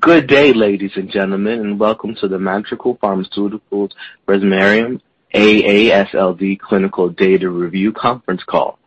Good day, ladies and gentlemen, and welcome to the Madrigal Pharmaceuticals resmetirom AASLD Clinical Data Review conference call.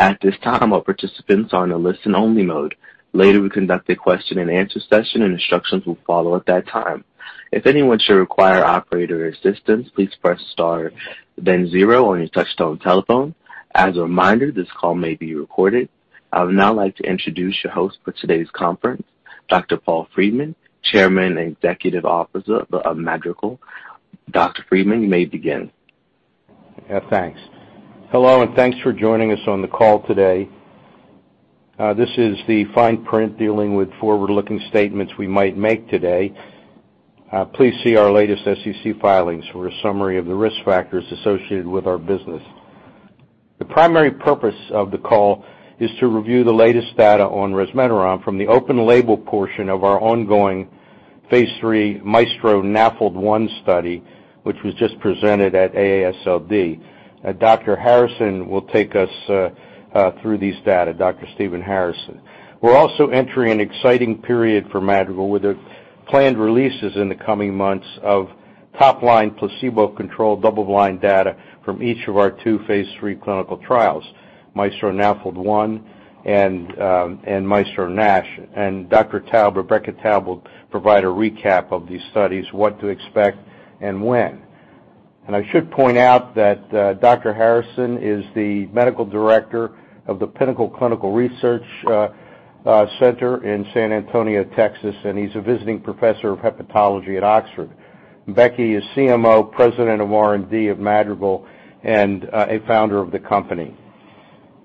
At this time, all participants are in listen-only mode. Later, we conduct a question-and-answer session, and instructions will follow at that time. If anyone should require operator assistance, please press star then zero on your touchtone telephone. As a reminder, this call may be recorded. I would now like to introduce your host for today's conference, Dr. Paul Friedman, Chairman and Chief Executive Officer of Madrigal. Dr. Friedman, you may begin. Yeah, thanks. Hello, and thanks for joining us on the call today. This is the fine print dealing with forward-looking statements we might make today. Please see our latest SEC filings for a summary of the risk factors associated with our business. The primary purpose of the call is to review the latest data on resmetirom from the open label portion of our ongoing phase III MAESTRO-NAFLD-1 study, which was just presented at AASLD. Dr. Harrison will take us through these data, Dr. Stephen Harrison. We're also entering an exciting period for Madrigal with the planned releases in the coming months of top line placebo-controlled double-blind data from each of our two phase III clinical trials, MAESTRO-NAFLD-1 and MAESTRO-NASH. Dr. Taub, Rebecca Taub, will provide a recap of these studies, what to expect and when. I should point out that Dr. Harrison is the medical director of the Pinnacle Clinical Research Center in San Antonio, Texas, and he's a visiting professor of hepatology at Oxford. Becky is CMO, President of R&D of Madrigal and a founder of the company.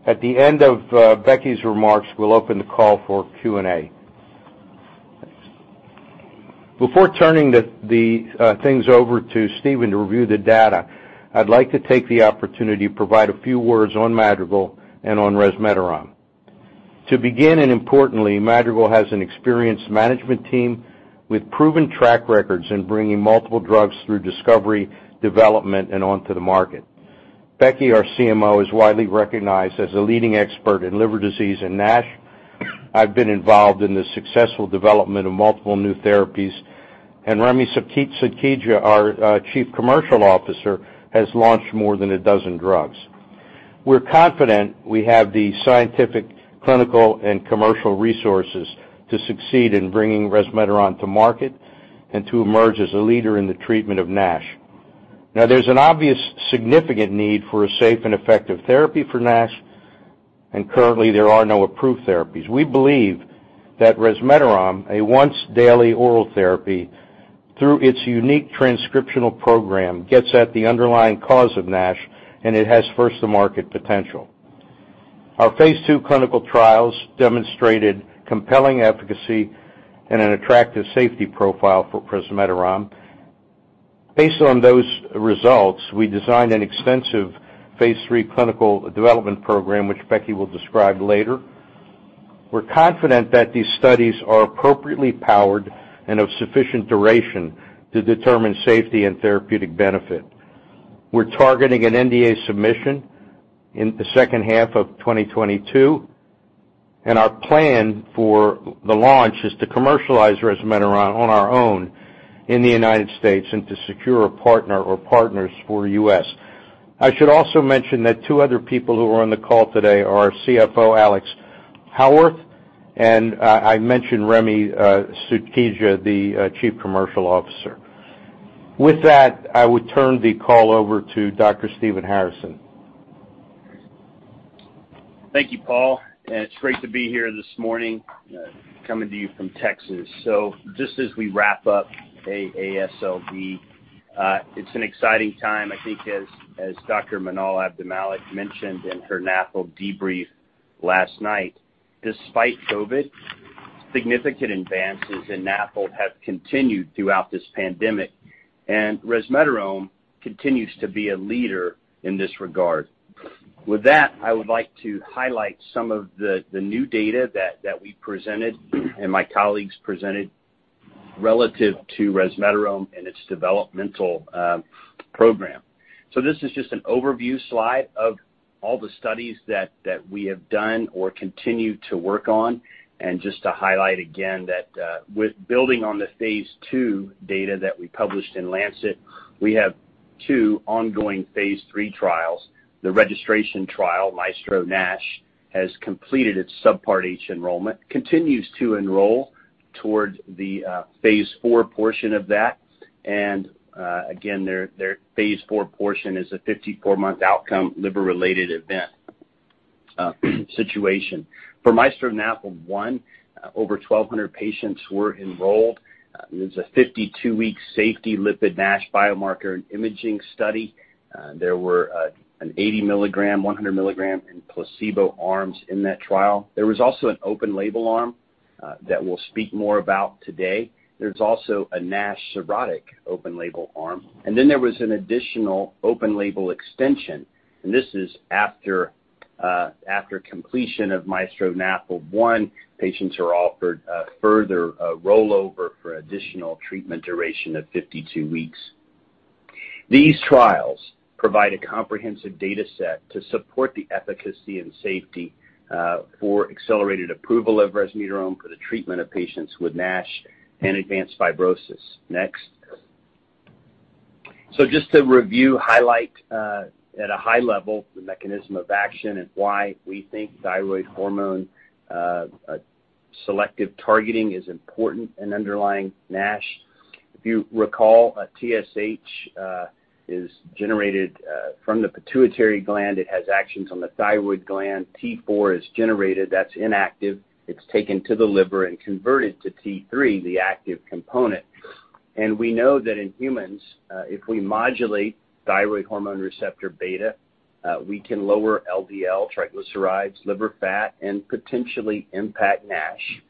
At the end of Becky's remarks, we'll open the call for Q&A. Before turning things over to Stephen to review the data, I'd like to take the opportunity to provide a few words on Madrigal and on resmetirom. To begin, and importantly, Madrigal has an experienced management team with proven track records in bringing multiple drugs through discovery, development, and onto the market. Becky, our CMO, is widely recognized as a leading expert in liver disease and NASH. I've been involved in the successful development of multiple new therapies, and Remy Sukhija, our Chief Commercial Officer, has launched more than a dozen drugs. We're confident we have the scientific, clinical, and commercial resources to succeed in bringing resmetirom to market and to emerge as a leader in the treatment of NASH. Now, there's an obvious significant need for a safe and effective therapy for NASH, and currently, there are no approved therapies. We believe that resmetirom, a once-daily oral therapy through its unique transcriptional program, gets at the underlying cause of NASH, and it has first-to-market potential. Our phase II clinical trials demonstrated compelling efficacy and an attractive safety profile for resmetirom. Based on those results, we designed an extensive phase III clinical development program, which Becky will describe later. We're confident that these studies are appropriately powered and of sufficient duration to determine safety and therapeutic benefit. We're targeting an NDA submission in the second half of 2022, and our plan for the launch is to commercialize resmetirom on our own in the United States and to secure a partner or partners for ex-U.S. I should also mention that two other people who are on the call today are our CFO, Alex Howarth, and I mentioned Remy Sukhija, the Chief Commercial Officer. With that, I would turn the call over to Dr. Stephen Harrison. Thank you, Paul, and it's great to be here this morning, coming to you from Texas. Just as we wrap up AASLD, it's an exciting time. I think as Dr. Manal Abdelmalek mentioned in her NAFLD debrief last night, despite COVID, significant advances in NAFLD have continued throughout this pandemic, and resmetirom continues to be a leader in this regard. With that, I would like to highlight some of the new data that we presented and my colleagues presented relative to resmetirom and its developmental program. This is just an overview slide of all the studies that we have done or continue to work on. Just to highlight again that, with building on the phase II data that we published in The Lancet, we have two ongoing phase III trials. The registration trial, MAESTRO-NASH, has completed its Subpart H enrollment, continues to enroll towards the phase IV portion of that. Again, their phase IV portion is a 54-month outcome liver-related event situation. For MAESTRO-NAFLD-1, over 1,200 patients were enrolled. It was a 52-week safety lipid NASH biomarker and imaging study. There were an 80 mg, 100 mg and placebo arms in that trial. There was also an open-label arm that we'll speak more about today. There's also a NASH cirrhotic open-label arm. Then there was an additional open-label extension, and this is after completion of MAESTRO-NAFLD-1, patients are offered further rollover for additional treatment duration of 52 weeks. These trials provide a comprehensive data set to support the efficacy and safety for accelerated approval of resmetirom for the treatment of patients with NASH and advanced fibrosis. Next. Just to review, highlight at a high level the mechanism of action and why we think thyroid hormone selective targeting is important in underlying NASH. If you recall, a TSH is generated from the pituitary gland. It has actions on the thyroid gland. T4 is generated, that's inactive. It's taken to the liver and converted to T3, the active component. We know that in humans, if we modulate thyroid hormone receptor beta, we can lower LDL, triglycerides, liver fat, and potentially impact NASH.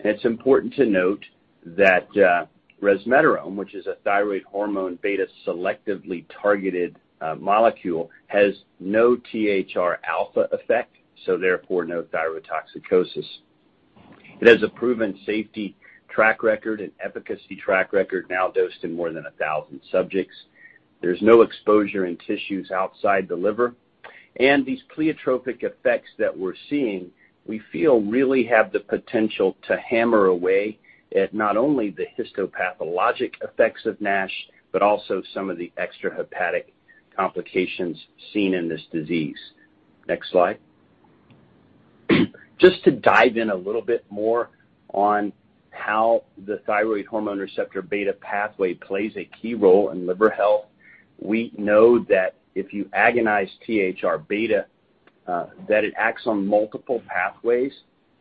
It's important to note that resmetirom, which is a thyroid hormone beta-selectively targeted molecule, has no THRα effect, so therefore no thyrotoxicosis. It has a proven safety track record and efficacy track record now dosed in more than 1,000 subjects. There's no exposure in tissues outside the liver. These pleiotropic effects that we're seeing, we feel really have the potential to hammer away at not only the histopathologic effects of NASH, but also some of the extrahepatic complications seen in this disease. Next slide. Just to dive in a little bit more on how the thyroid hormone receptor beta pathway plays a key role in liver health. We know that if you agonize THRβ, that it acts on multiple pathways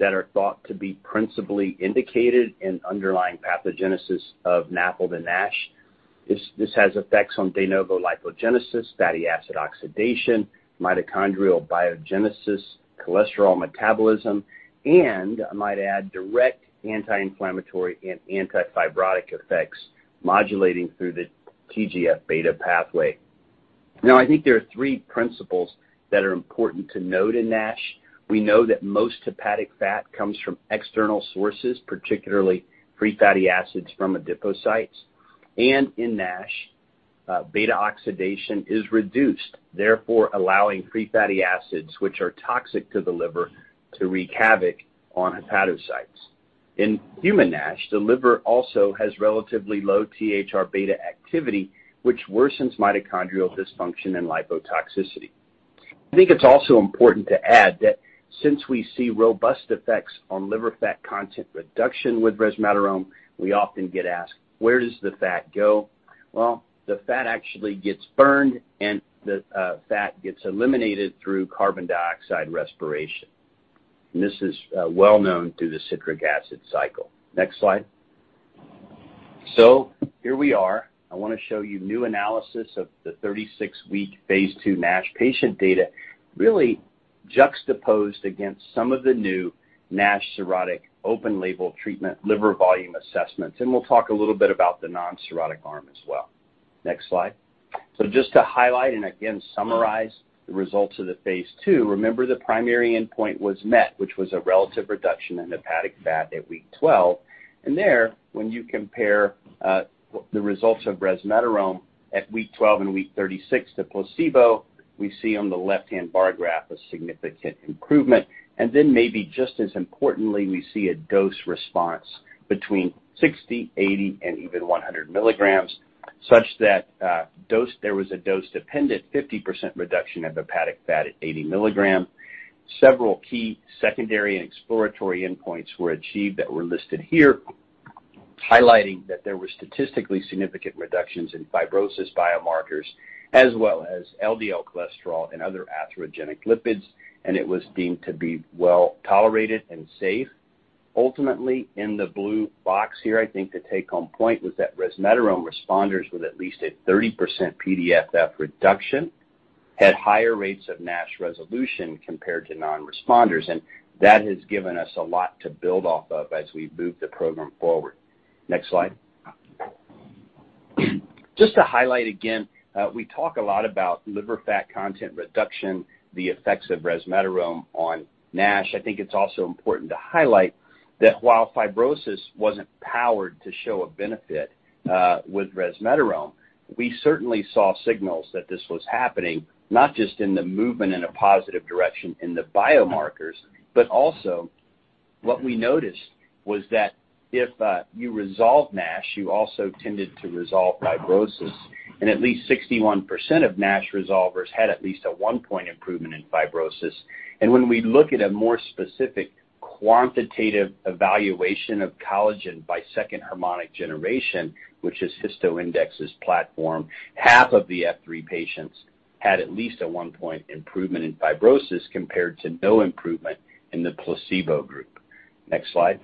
that are thought to be principally indicated in underlying pathogenesis of NAFLD and NASH. This has effects on de novo lipogenesis, fatty acid oxidation, mitochondrial biogenesis, cholesterol metabolism, and I might add direct anti-inflammatory and anti-fibrotic effects modulating through the TGF-β pathway. Now, I think there are three principles that are important to note in NASH. We know that most hepatic fat comes from external sources, particularly free fatty acids from adipocytes. In NASH, beta-oxidation is reduced, therefore allowing free fatty acids, which are toxic to the liver, to wreak havoc on hepatocytes. In human NASH, the liver also has relatively low THRβ activity, which worsens mitochondrial dysfunction and lipotoxicity. I think it's also important to add that since we see robust effects on liver fat content reduction with resmetirom, we often get asked, "Where does the fat go?" Well, the fat actually gets burned, and the fat gets eliminated through carbon dioxide respiration. This is well known through the citric acid cycle. Next slide. Here we are. I wanna show you new analysis of the 36-week phase II NASH patient data, really juxtaposed against some of the new NASH cirrhotic open-label treatment liver volume assessments. We'll talk a little bit about the non-cirrhotic arm as well. Next slide. Just to highlight and again summarize the results of the phase II, remember the primary endpoint was met, which was a relative reduction in hepatic fat at week 12. There, when you compare the results of resmetirom at week 12 and week 36 to placebo, we see on the left-hand bar graph a significant improvement. Then maybe just as importantly, we see a dose response between 60, 80, and even 100 mg, such that there was a dose-dependent 50% reduction of hepatic fat at 80 mg. Several key secondary and exploratory endpoints were achieved that were listed here, highlighting that there were statistically significant reductions in fibrosis biomarkers as well as LDL cholesterol and other atherogenic lipids, and it was deemed to be well-tolerated and safe. Ultimately, in the blue box here, I think the take-home point was that resmetirom responders with at least a 30% PDFF reduction had higher rates of NASH resolution compared to non-responders. That has given us a lot to build off of as we move the program forward. Next slide. Just to highlight again, we talk a lot about liver fat content reduction, the effects of resmetirom on NASH. I think it's also important to highlight that while fibrosis wasn't powered to show a benefit, with resmetirom, we certainly saw signals that this was happening, not just in the movement in a positive direction in the biomarkers, but also what we noticed was that if you resolve NASH, you also tended to resolve fibrosis. At least 61% of NASH resolvers had at least a 1-point improvement in fibrosis. When we look at a more specific quantitative evaluation of collagen by second harmonic generation, which is HistoIndex's platform, half of the F3 patients had at least a one-point improvement in fibrosis compared to no improvement in the placebo group. Next slide.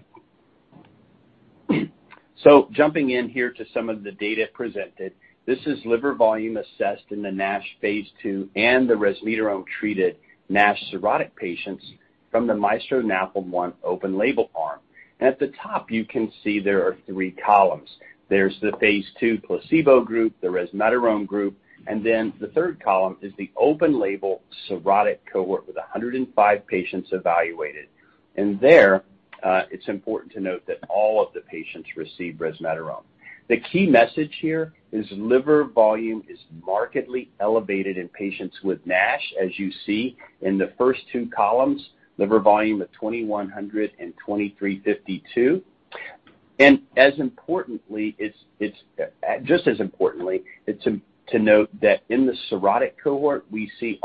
Jumping in here to some of the data presented, this is liver volume assessed in the NASH phase II and the resmetirom-treated NASH cirrhotic patients from the MAESTRO-NAFLD-1 open-label arm. At the top, you can see there are three columns. There's the phase II placebo group, the resmetirom group, and then the third column is the open-label cirrhotic cohort with 105 patients evaluated. There, it's important to note that all of the patients received resmetirom. The key message here is liver volume is markedly elevated in patients with NASH, as you see in the first two columns, liver volume of 2,100 and 2,352. Just as importantly, it's to note that in the cirrhotic cohort, we see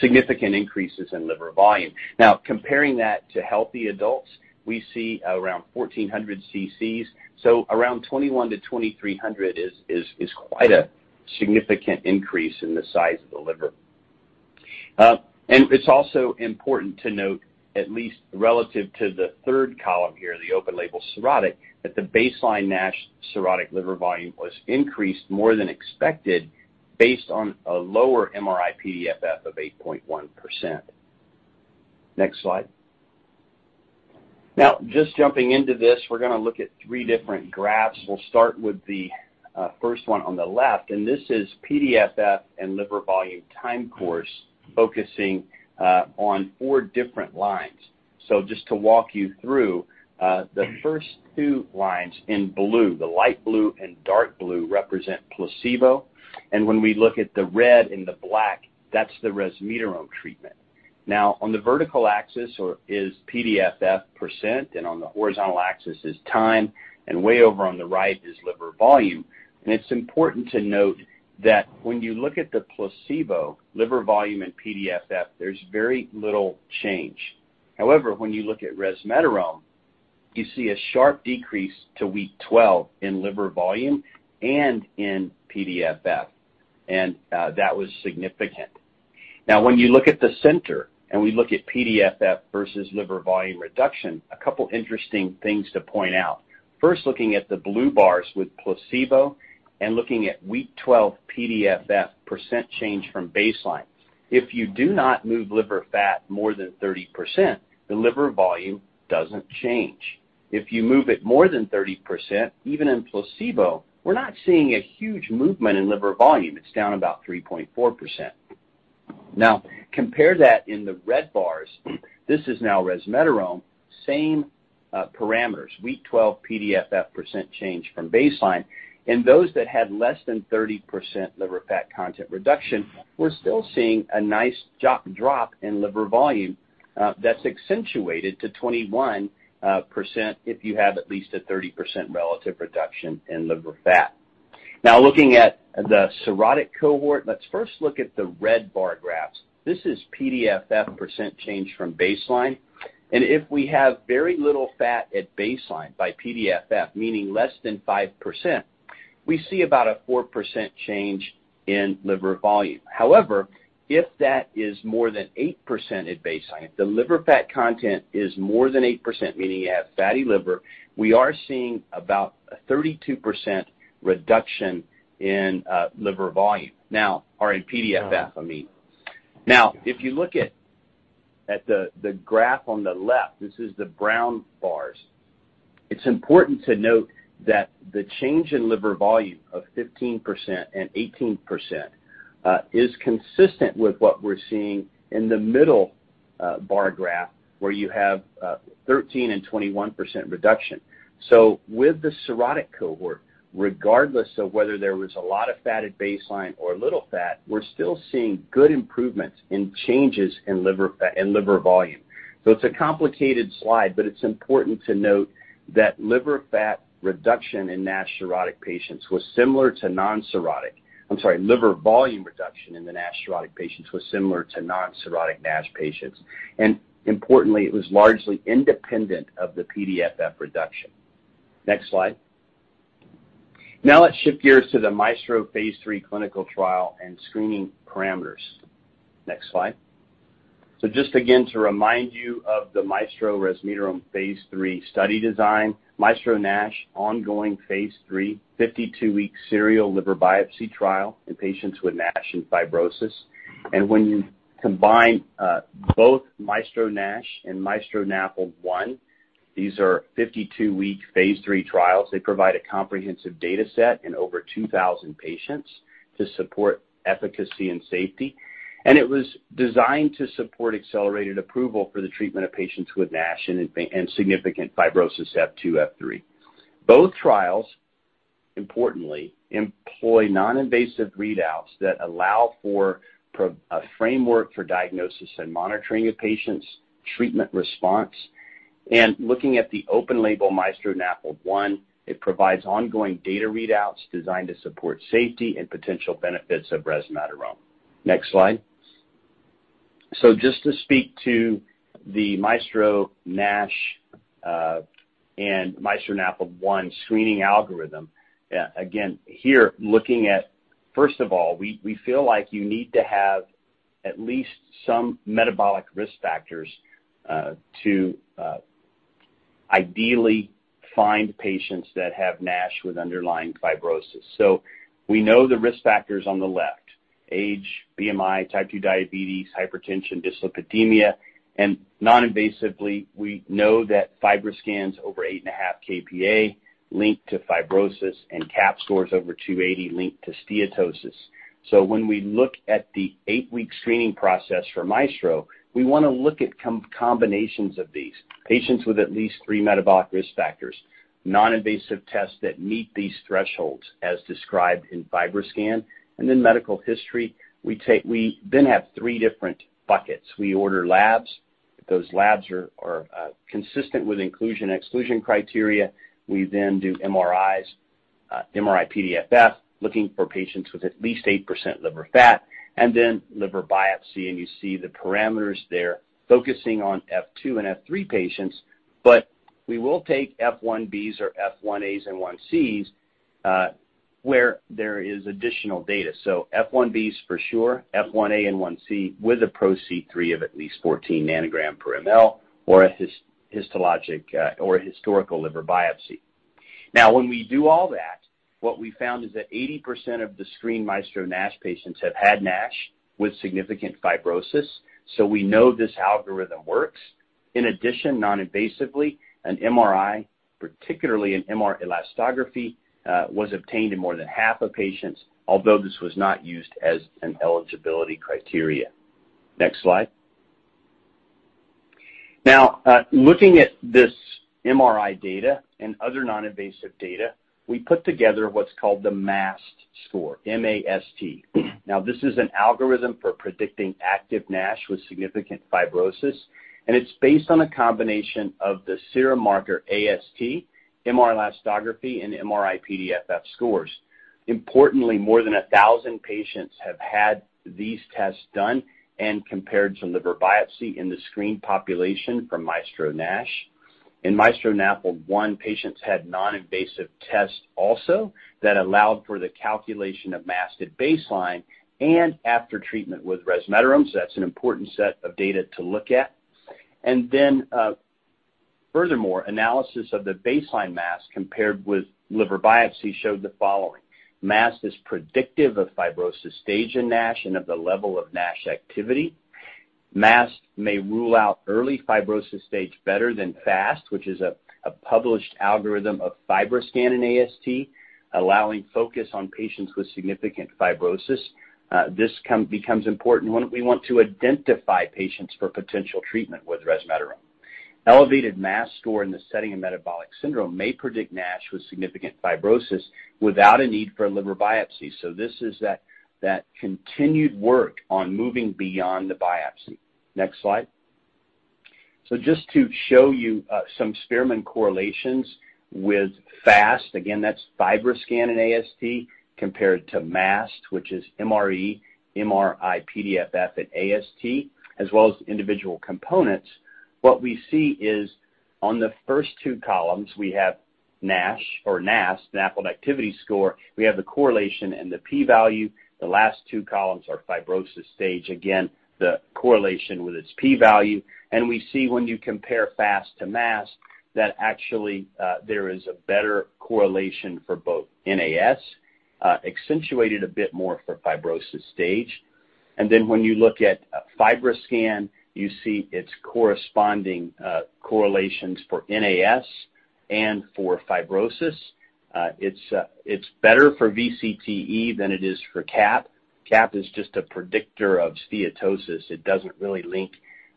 significant increases in liver volume. Now comparing that to healthy adults, we see around 1,400 cc's. Around 2,100-2,300 is quite a significant increase in the size of the liver. It's also important to note at least relative to the third column here, the open-label cirrhotic, that the baseline NASH cirrhotic liver volume was increased more than expected based on a lower MRI-PDFF of 8.1%. Next slide. Now just jumping into this, we're gonna look at three different graphs. We'll start with the first one on the left, and this is PDFF and liver volume time course focusing on four different lines. Just to walk you through, the first two lines in blue, the light blue and dark blue represent placebo. When we look at the red and the black, that's the resmetirom treatment. Now on the vertical axis here is PDFF percent, and on the horizontal axis is time, and way over on the right is liver volume. It's important to note that when you look at the placebo liver volume in PDFF, there's very little change. However, when you look at resmetirom, you see a sharp decrease to week 12 in liver volume and in PDFF, and that was significant. Now when you look at the center and we look at PDFF versus liver volume reduction, a couple interesting things to point out. First, looking at the blue bars with placebo and looking at week 12 PDFF percent change from baseline. If you do not move liver fat more than 30%, the liver volume doesn't change. If you move it more than 30%, even in placebo, we're not seeing a huge movement in liver volume. It's down about 3.4%. Now compare that in the red bars. This is now resmetirom, same parameters, week 12 PDFF percent change from baseline. In those that had less than 30% liver fat content reduction, we're still seeing a nice drop in liver volume, that's accentuated to 21% if you have at least a 30% relative reduction in liver fat. Now looking at the cirrhotic cohort, let's first look at the red bar graphs. This is PDFF percent change from baseline. If we have very little fat at baseline by PDFF, meaning less than 5%, we see about a 4% change in liver volume. However, if that is more than 8% at baseline, if the liver fat content is more than 8%, meaning you have fatty liver, we are seeing about a 32% reduction in liver volume. Now, or in PDFF, I mean. Now, if you look at the graph on the left, this is the brown bars. It's important to note that the change in liver volume of 15% and 18% is consistent with what we're seeing in the middle bar graph, where you have 13 and 21% reduction. With the cirrhotic cohort, regardless of whether there was a lot of fat at baseline or little fat, we're still seeing good improvements in changes in liver volume. It's a complicated slide, but it's important to note that liver fat reduction in NASH cirrhotic patients was similar to non-cirrhotic. I'm sorry, liver volume reduction in the NASH cirrhotic patients was similar to non-cirrhotic NASH patients. Importantly, it was largely independent of the PDFF reduction. Next slide. Now let's shift gears to the MAESTRO phase III clinical trial and screening parameters. Next slide. Just again to remind you of the MAESTRO resmetirom phase III study design, MAESTRO-NASH ongoing phase III, 52-week serial liver biopsy trial in patients with NASH and fibrosis. When you combine both MAESTRO-NASH and MAESTRO-NAFLD-1, these are 52-week phase III trials. They provide a comprehensive data set in over 2,000 patients to support efficacy and safety. It was designed to support accelerated approval for the treatment of patients with NASH and significant fibrosis F2, F3. Both trials, importantly, employ non-invasive readouts that allow for a framework for diagnosis and monitoring a patient's treatment response. Looking at the open-label MAESTRO-NAFLD-1, it provides ongoing data readouts designed to support safety and potential benefits of resmetirom. Next slide. Just to speak to the MAESTRO-NASH and MAESTRO-NAFLD-1 screening algorithm, again, here looking at, first of all, we feel like you need to have at least some metabolic risk factors to ideally find patients that have NASH with underlying fibrosis. We know the risk factors on the left. Age, BMI, type 2 diabetes, hypertension, dyslipidemia. Noninvasively, we know that FibroScans over 8.5 kPa link to fibrosis and CAP scores over 280 link to steatosis. When we look at the eight-week screening process for MAESTRO, we wanna look at combinations of these, patients with at least three metabolic risk factors, noninvasive tests that meet these thresholds as described in FibroScan, and then medical history. We then have three different buckets. We order labs. If those labs are consistent with inclusion/exclusion criteria, we then do MRIs, MRI-PDFF, looking for patients with at least 8% liver fat, and then liver biopsy. You see the parameters there focusing on F2 and F3 patients, but we will take F1Bs or F1As and 1Cs, where there is additional data. F1B's for sure, F1A and F1C with a PRO-C3 of at least 14 ng/mL or a histologic or historical liver biopsy. When we do all that, what we found is that 80% of the screened MAESTRO-NASH patients have had NASH with significant fibrosis. We know this algorithm works. In addition, noninvasively, an MRI, particularly an MR elastography, was obtained in more than half of patients, although this was not used as an eligibility criteria. Next slide. Looking at this MRI data and other noninvasive data, we put together what's called the MAST score, M-A-S-T. This is an algorithm for predicting active NASH with significant fibrosis, and it's based on a combination of the serum marker AST, MR elastography, and MRI-PDFF scores. Importantly, more than 1,000 patients have had these tests done and compared to some liver biopsies in the screening population from MAESTRO-NASH. In MAESTRO-NAFLD-1, patients had noninvasive tests also that allowed for the calculation of MAST at baseline and after treatment with resmetirom. That's an important set of data to look at. Furthermore, analysis of the baseline MAST compared with liver biopsy showed the following. MAST is predictive of fibrosis stage in NASH and of the level of NASH activity. MAST may rule out early fibrosis stage better than FAST, which is a published algorithm of FibroScan and AST, allowing focus on patients with significant fibrosis. This becomes important when we want to identify patients for potential treatment with resmetirom. Elevated MAST score in the setting of metabolic syndrome may predict NASH with significant fibrosis without a need for a liver biopsy. This is that continued work on moving beyond the biopsy. Next slide. Just to show you, some Spearman correlations with FAST, again, that's FibroScan and AST, compared to MAST, which is MRE, MRI, PDFF, and AST, as well as individual components. What we see is on the first two columns, we have NASH or NAS, the NAFL activity score. We have the correlation and the P value. The last two columns are fibrosis stage, again, the correlation with its P value. We see when you compare FAST to MAST that actually, there is a better correlation for both NAS, accentuated a bit more for fibrosis stage. When you look at FibroScan, you see its corresponding correlations for NAS and for fibrosis. It's better for VCTE than it is for CAP. CAP is just a predictor of steatosis. It doesn't really link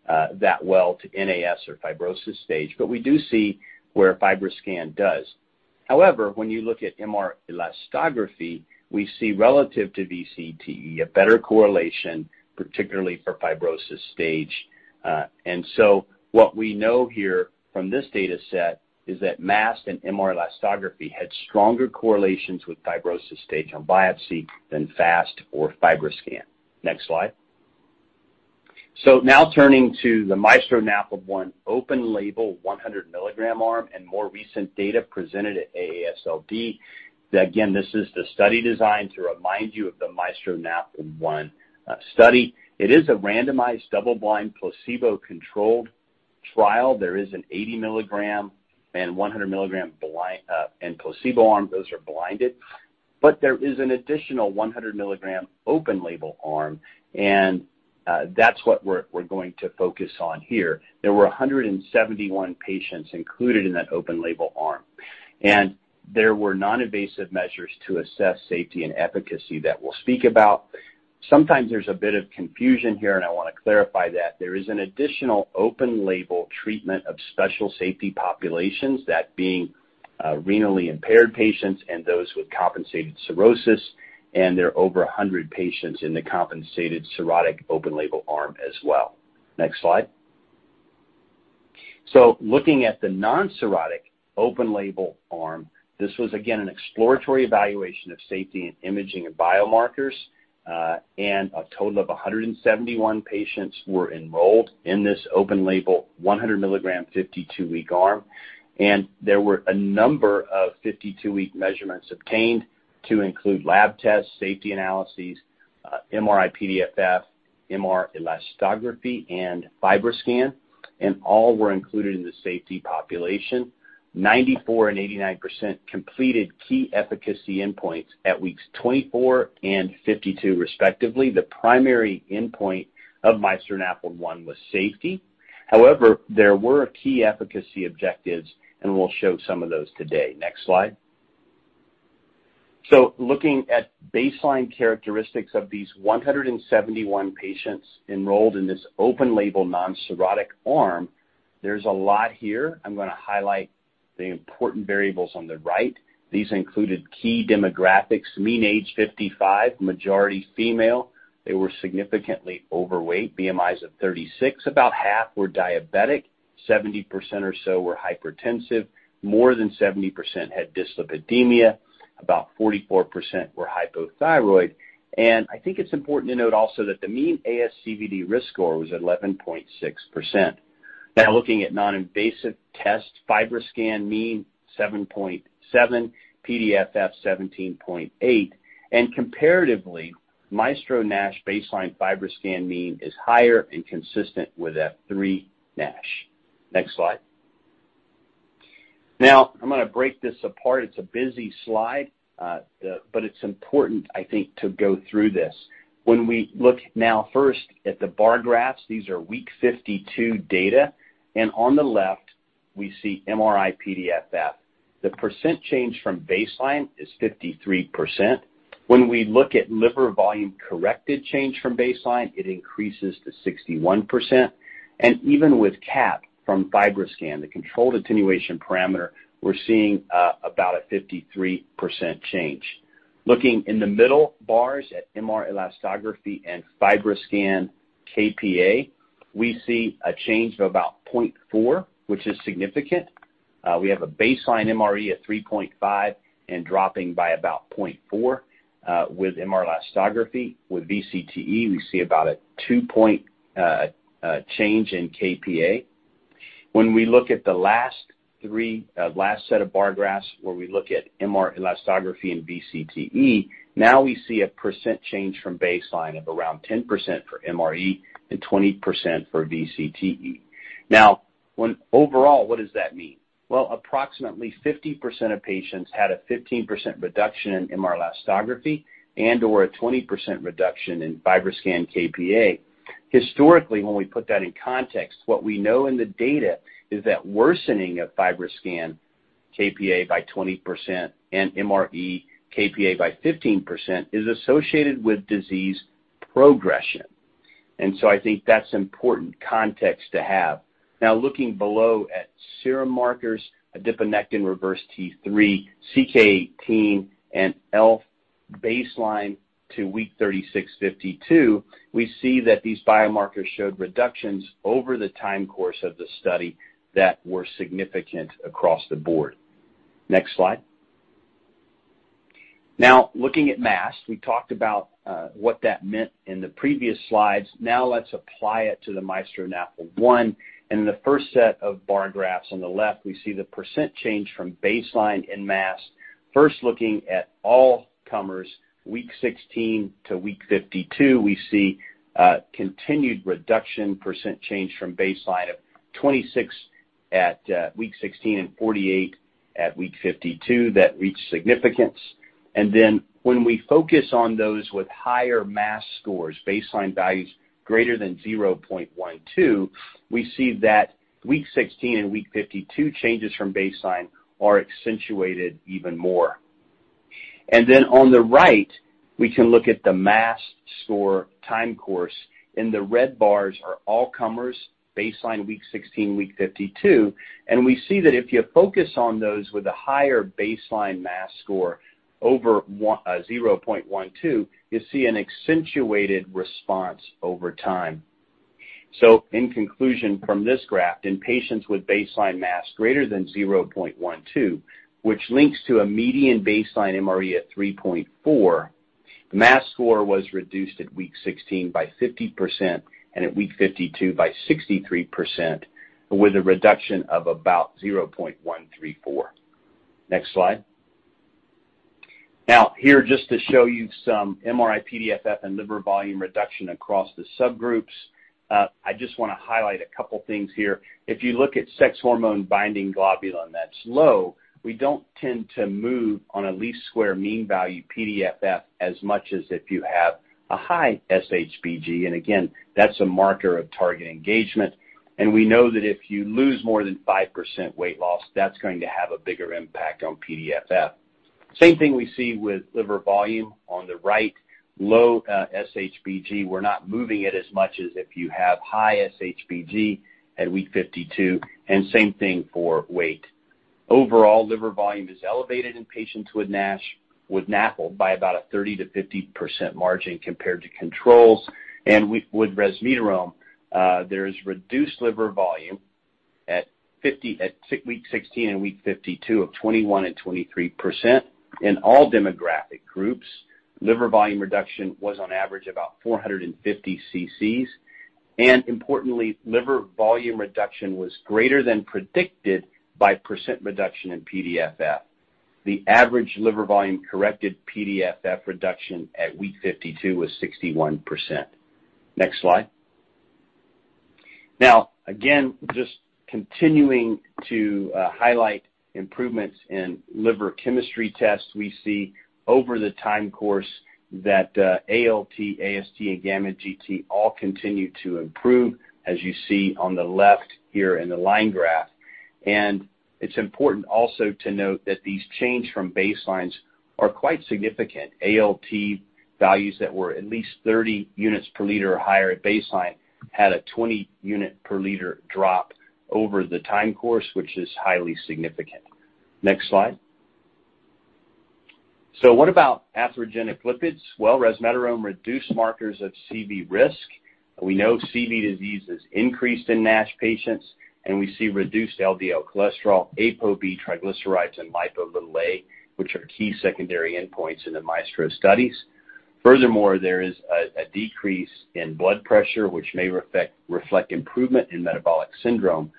that well to NAS or fibrosis stage. We do see where FibroScan does. However, when you look at MR elastography, we see relative to VCTE, a better correlation, particularly for fibrosis stage. What we know here from this data set is that MAST and MR elastography had stronger correlations with fibrosis stage on biopsy than FAST or FibroScan. Next slide. Now turning to the MAESTRO-NAFLD-1 open-label 100 mg arm and more recent data presented at AASLD. Again, this is the study design to remind you of the MAESTRO-NAFLD-1 study. It is a randomized double-blind placebo-controlled trial. There is an 80 mg and 100 mg blind, and placebo arm. Those are blinded. There is an additional 100 mg open-label arm, and that's what we're going to focus on here. There were 171 patients included in that open-label arm, and there were non-invasive measures to assess safety and efficacy that we'll speak about. Sometimes there's a bit of confusion here, and I wanna clarify that. There is an additional open-label treatment of special safety populations, that being, renally impaired patients and those with compensated cirrhosis, and there are over 100 patients in the compensated cirrhotic open-label arm as well. Next slide. Looking at the non-cirrhotic open-label arm, this was again an exploratory evaluation of safety and imaging of biomarkers, and a total of 171 patients were enrolled in this open-label 100-g 52-week arm. There were a number of 52-week measurements obtained to include lab tests, safety analyses, MRI-PDFF, MR elastography, and FibroScan. All were included in the safety population. 94% and 89% completed key efficacy endpoints at weeks 24 and 52 respectively. The primary endpoint of MAESTRO-NAFLD-1 was safety. However, there were key efficacy objectives, and we'll show some of those today. Next slide. Looking at baseline characteristics of these 171 patients enrolled in this open-label non-cirrhotic arm, there's a lot here. I'm going to highlight the important variables on the right. These included key demographics, mean age 55, majority female. They were significantly overweight, BMIs of 36. About half were diabetic, 70% or so were hypertensive. More than 70% had dyslipidemia. About 44% were hypothyroid. I think it's important to note also that the mean ASCVD risk score was 11.6%. Now looking at non-invasive tests, FibroScan mean 7.7, PDFF 17.8. Comparatively, MAESTRO-NASH baseline FibroScan mean is higher and consistent with F3 NASH. Next slide. Now I'm going to break this apart. It's a busy slide, but it's important, I think, to go through this. When we look now first at the bar graphs, these are week 52 data, and on the left we see MRI-PDFF. The percent change from baseline is 53%. When we look at liver volume corrected change from baseline, it increases to 61%. Even with CAP from FibroScan, the controlled attenuation parameter, we're seeing about a 53% change. Looking in the middle bars at MR elastography and FibroScan kPa, we see a change of about 0.4, which is significant. We have a baseline MRE at 3.5 and dropping by about 0.4 with MR elastography. With VCTE, we see about a 2-point change in kPa. When we look at the last set of bar graphs, where we look at MR elastography and VCTE, now we see a percent change from baseline of around 10% for MRE and 20% for VCTE. Overall, what does that mean? Well, approximately 50% of patients had a 15% reduction in MR elastography and/or a 20% reduction in FibroScan kPa. Historically, when we put that in context, what we know in the data is that worsening of FibroScan kPa by 20% and MRE kPa by 15% is associated with disease progression. I think that's important context to have. Now looking below at serum markers, adiponectin, reverse T3, CK-18, and ELF baseline to week 36, 52, we see that these biomarkers showed reductions over the time course of the study that were significant across the board. Next slide. Now looking at MAST, we talked about what that meant in the previous slides. Now let's apply it to the MAESTRO-NAFLD-1. In the first set of bar graphs on the left, we see the percent change from baseline in MAST. First, looking at all comers week 16 to week 52, we see continued reduction percent change from baseline of 26 at week 16 and 48 at week 52 that reached significance. Then when we focus on those with higher MAST scores, baseline values greater than 0.12, we see that week 16 and week 52 changes from baseline are accentuated even more. Then on the right, we can look at the MAST score time course, and the red bars are all comers baseline week 16, week 52. We see that if you focus on those with a higher baseline MAST score over 0.12, you see an accentuated response over time. In conclusion from this graph, in patients with baseline MAST greater than 0.12, which links to a median baseline MRE at 3.4, the MAST score was reduced at week 16 by 50% and at week 52 by 63%, with a reduction of about 0.134. Next slide. Now here just to show you some MRI-PDFF and liver volume reduction across the subgroups. I just want to highlight a couple things here. If you look at sex hormone binding globulin that's low, we don't tend to move on a least square mean value PDFF as much as if you have a high SHBG. Again, that's a marker of target engagement. We know that if you lose more than 5% weight loss, that's going to have a bigger impact on PDFF. Same thing we see with liver volume on the right, low, SHBG, we're not moving it as much as if you have high SHBG at week 52, and same thing for weight. Overall, liver volume is elevated in patients with NASH with NAFLD by about a 30%-50% margin compared to controls. With resmetirom, there is reduced liver volume at week 16 and week 52 of 21% and 23%. In all demographic groups, liver volume reduction was on average about 450 cc's. Importantly, liver volume reduction was greater than predicted by percent reduction in PDFF. The average liver volume corrected PDFF reduction at week 52 was 61%. Next slide. Now, again, just continuing to highlight improvements in liver chemistry tests, we see over the time course that ALT, AST, and Gamma-GT all continue to improve, as you see on the left here in the line graph. It's important also to note that these change from baselines are quite significant. ALT values that were at least 30 units per liter or higher at baseline had a 20-unit per liter drop over the time course, which is highly significant. Next slide. What about atherogenic lipids? Well, resmetirom reduced markers of CV risk. We know CV disease is increased in NASH patients, and we see reduced LDL cholesterol, ApoB, triglycerides, and Lp(a), which are key secondary endpoints in the MAESTRO studies. Furthermore, there is a decrease in blood pressure, which may reflect improvement in metabolic syndrome.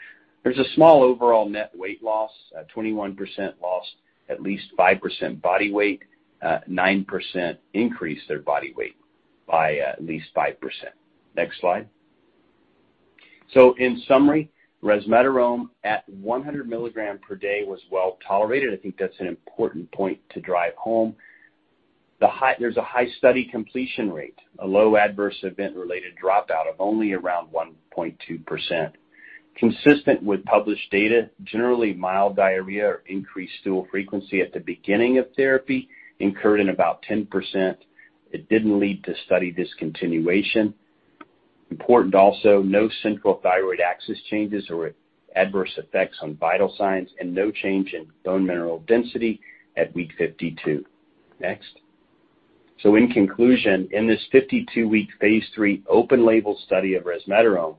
There's a small overall net weight loss, 21% lost at least 5% body weight, 9% increased their body weight by at least 5%. Next slide. In summary, resmetirom at 100 mg per day was well-tolerated. I think that's an important point to drive home. There's a high study completion rate, a low adverse event-related dropout of only around 1.2%. Consistent with published data, generally mild diarrhea or increased stool frequency at the beginning of therapy occurred in about 10%. It didn't lead to study discontinuation. Important also, no central thyroid axis changes or adverse effects on vital signs and no change in bone mineral density at week 52. Next. In conclusion, in this 52-week phase III open-label study of resmetirom,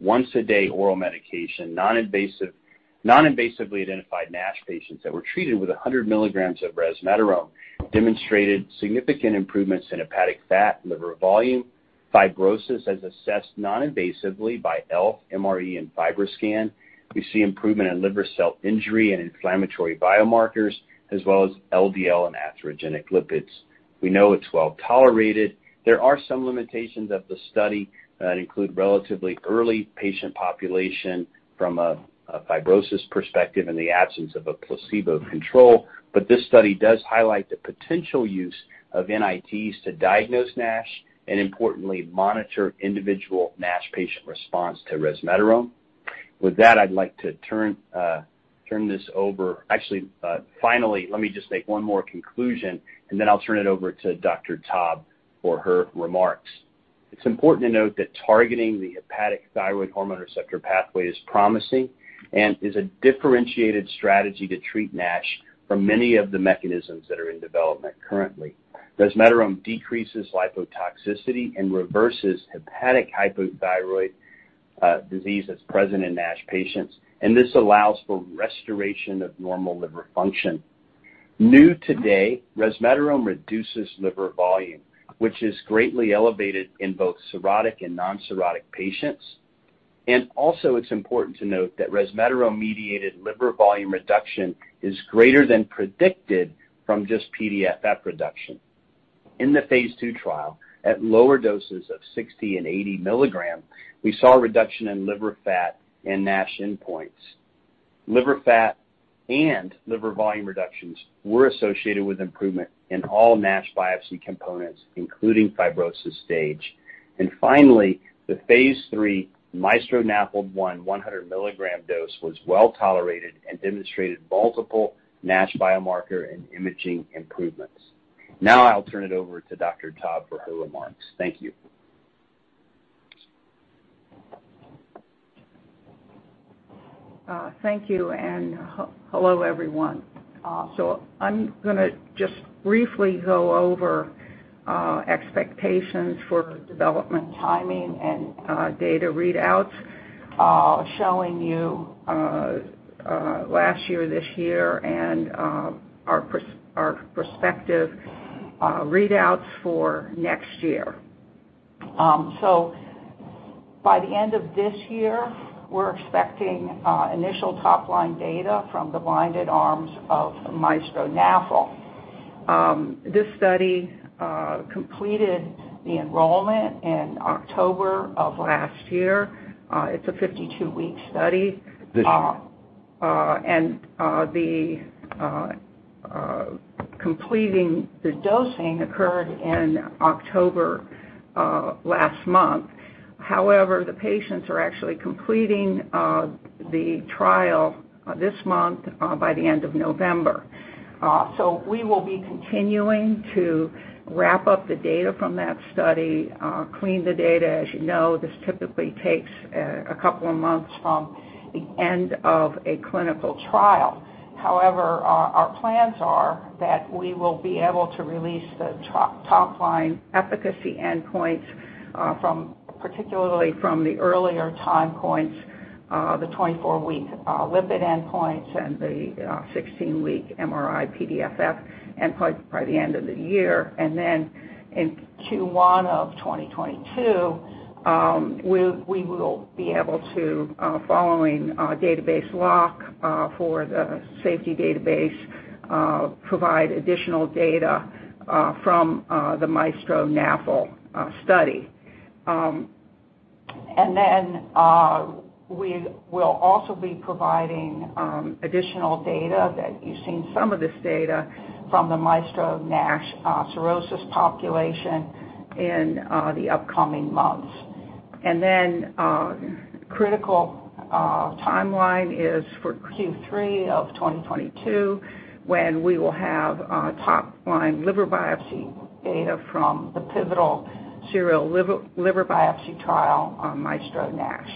once a day oral medication, non-invasive, non-invasively identified NASH patients that were treated with 100 mg of resmetirom demonstrated significant improvements in hepatic fat, liver volume, fibrosis, as assessed non-invasively by ELF, MRE, and FibroScan. We see improvement in liver cell injury and inflammatory biomarkers, as well as LDL and atherogenic lipids. We know it's well-tolerated. There are some limitations of the study that include relatively early patient population from a fibrosis perspective and the absence of a placebo control. This study does highlight the potential use of NITs to diagnose NASH and importantly, monitor individual NASH patient response to resmetirom. With that, I'd like to turn this over. Actually, finally, let me just make one more conclusion, and then I'll turn it over to Dr. Taub for her remarks. It's important to note that targeting the hepatic thyroid hormone receptor pathway is promising and is a differentiated strategy to treat NASH from many of the mechanisms that are in development currently. Resmetirom decreases lipotoxicity and reverses hepatic hypothyroid disease that's present in NASH patients, and this allows for restoration of normal liver function. New today, resmetirom reduces liver volume, which is greatly elevated in both cirrhotic and non-cirrhotic patients. Also, it's important to note that resmetirom-mediated liver volume reduction is greater than predicted from just PDFF reduction. In the phase II trial, at lower doses of 60 mg and 80 mg, we saw a reduction in liver fat and NASH endpoints. Liver fat and liver volume reductions were associated with improvement in all NASH biopsy components, including fibrosis stage. Finally, the phase III MAESTRO-NAFLD-1 100 mg dose was well-tolerated and demonstrated multiple NASH biomarker and imaging improvements. Now I'll turn it over to Dr. Taub for her remarks. Thank you. Thank you, and hello, everyone. I'm gonna just briefly go over expectations for development timing and data readouts, showing you last year, this year and our prospective readouts for next year. By the end of this year, we're expecting initial top-line data from the blinded arms of MAESTRO-NAFLD. This study completed the enrollment in October of last year. It's a 52-week study. This year. Completing the dosing occurred in October last month. However, the patients are actually completing the trial this month, by the end of November. We will be continuing to wrap up the data from that study, clean the data. As you know, this typically takes a couple of months from the end of a clinical trial. However, our plans are that we will be able to release the top-line efficacy endpoints, particularly from the earlier time points, the 24-week lipid endpoints and the 16-week MRI-PDFF endpoint by the end of the year. In Q1 of 2022, we will be able to, following a database lock for the safety database, provide additional data from the MAESTRO-NAFLD study. We will also be providing additional data that you've seen some of this data from the MAESTRO-NASH cirrhosis population in the upcoming months. Critical timeline is for Q3 of 2022 when we will have top-line liver biopsy data from the pivotal serial liver biopsy trial on MAESTRO-NASH.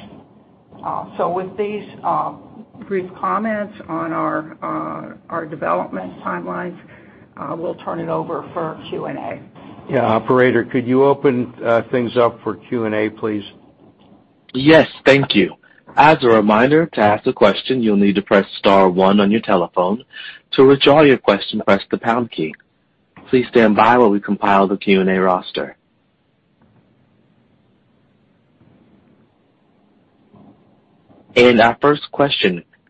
With these brief comments on our development timelines, we'll turn it over for Q&A. Yeah. Operator, could you open things up for Q&A, please? Yes. Thank you. Our first question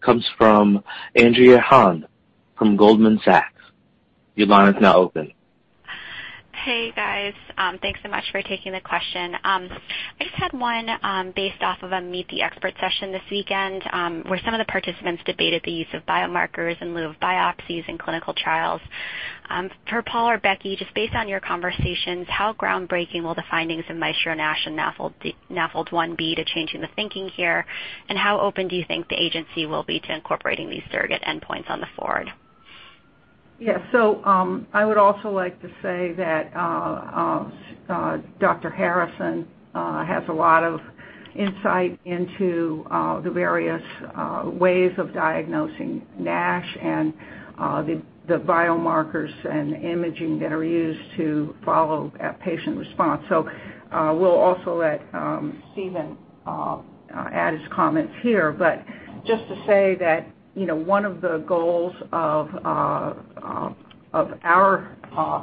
comes from Andrea Tan from Goldman Sachs. Your line is now open. Hey, guys. Thanks so much for taking the question. I just had one based off of a meet-the-expert session this weekend, where some of the participants debated the use of biomarkers in lieu of biopsies in clinical trials. For Paul or Becky, just based on your conversations, how groundbreaking will the findings of MAESTRO-NASH and MAESTRO-NAFLD-1 be to changing the thinking here? And how open do you think the agency will be to incorporating these surrogate endpoints on the forward? Yeah. I would also like to say that Dr. Harrison has a lot of insight into the various ways of diagnosing NASH and the biomarkers and imaging that are used to follow a patient response. We'll also let Stephen add his comments here. Just to say that, you know, one of the goals of our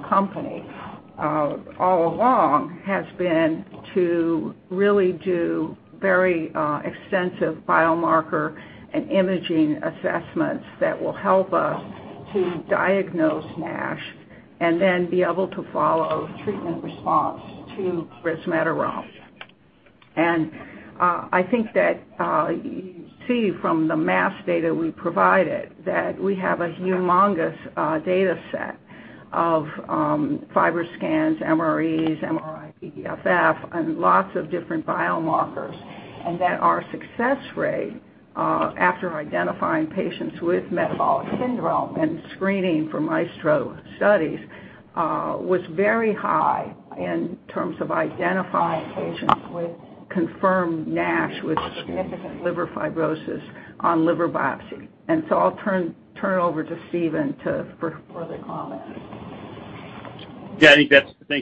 company all along has been to really do very extensive biomarker and imaging assessments that will help us to diagnose NASH and then be able to follow treatment response to resmetirom. I think that you see from the mass data we provided that we have a humongous dataset of FibroScans, MREs, MRI-PDFF, and lots of different biomarkers. That our success rate after identifying patients with metabolic syndrome and screening for MAESTRO studies was very high in terms of identifying patients with confirmed NASH with significant liver fibrosis on liver biopsy. I'll turn over to Stephen for further comments. Thank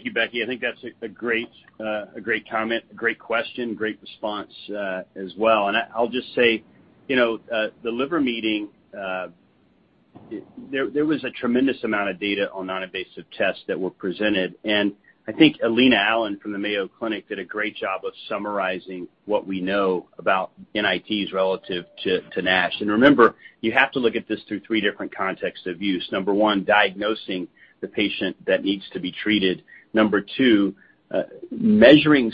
you, Becky. I think that's a great comment, a great question, great response, as well. I'll just say, you know, the liver meeting, there was a tremendous amount of data on non-invasive tests that were presented. I think Alina Allen from the Mayo Clinic did a great job of summarizing what we know about NITs relative to NASH. Remember, you have to look at this through three different contexts of use. Number one, diagnosing the patient that needs to be treated. Number two, measuring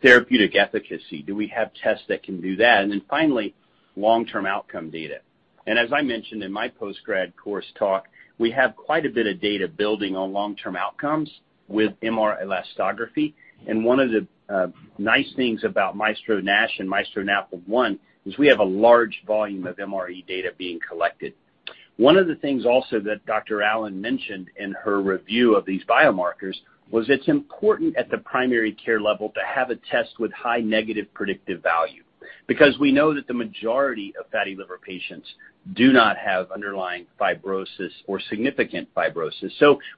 therapeutic efficacy. Do we have tests that can do that? Then finally, long-term outcome data. As I mentioned in my post-grad course talk, we have quite a bit of data building on long-term outcomes with MR elastography. One of the nice things about MAESTRO-NASH and MAESTRO-NAFLD-1 is we have a large volume of MRE data being collected. One of the things also that Dr. Allen mentioned in her review of these biomarkers was it's important at the primary care level to have a test with high negative predictive value. Because we know that the majority of fatty liver patients do not have underlying fibrosis or significant fibrosis.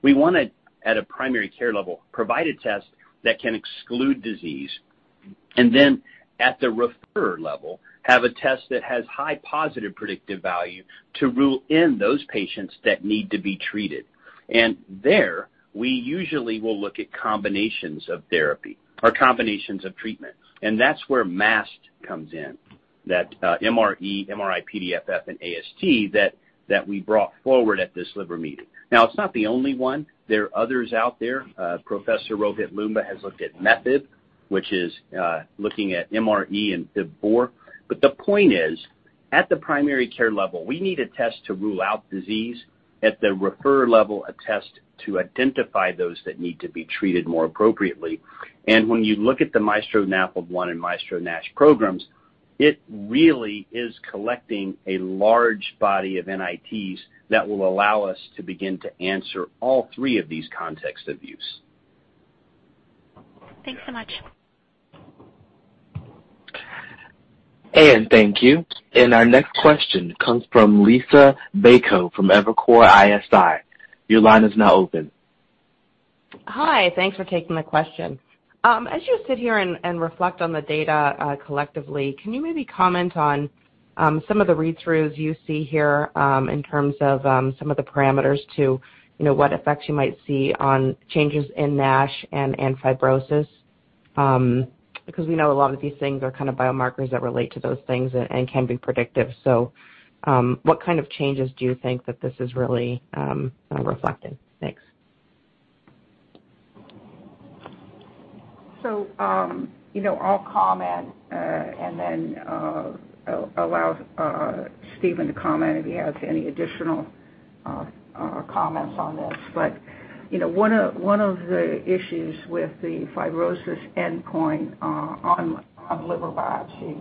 We wanna, at a primary care level, provide a test that can exclude disease. Then at the referrer level, have a test that has high positive predictive value to rule in those patients that need to be treated. There, we usually will look at combinations of therapy or combinations of treatment, and that's where MAST comes in, MRE, MRI-PDFF, and AST that we brought forward at this liver meeting. Now, it's not the only one. There are others out there. Professor Rohit Loomba has looked at MEFIB, which is looking at MRE and FIB-4. The point is, at the primary care level, we need a test to rule out disease. At the referrer level, a test to identify those that need to be treated more appropriately. When you look at the MAESTRO-NAFLD-1 and MAESTRO-NASH programs, it really is collecting a large body of NITs that will allow us to begin to answer all three of these contexts of use. Thanks so much. Thank you. Our next question comes from Liisa Bayko from Evercore ISI. Your line is now open. Hi. Thanks for taking the question. As you sit here and reflect on the data collectively, can you maybe comment on some of the read-throughs you see here in terms of some of the parameters to you know what effects you might see on changes in NASH and in fibrosis? Because we know a lot of these things are kind of biomarkers that relate to those things and can be predictive. What kind of changes do you think that this is really reflecting? Thanks. You know, I'll comment and then allow Stephen to comment if he has any additional comments on this. You know, one of the issues with the fibrosis endpoint on liver biopsy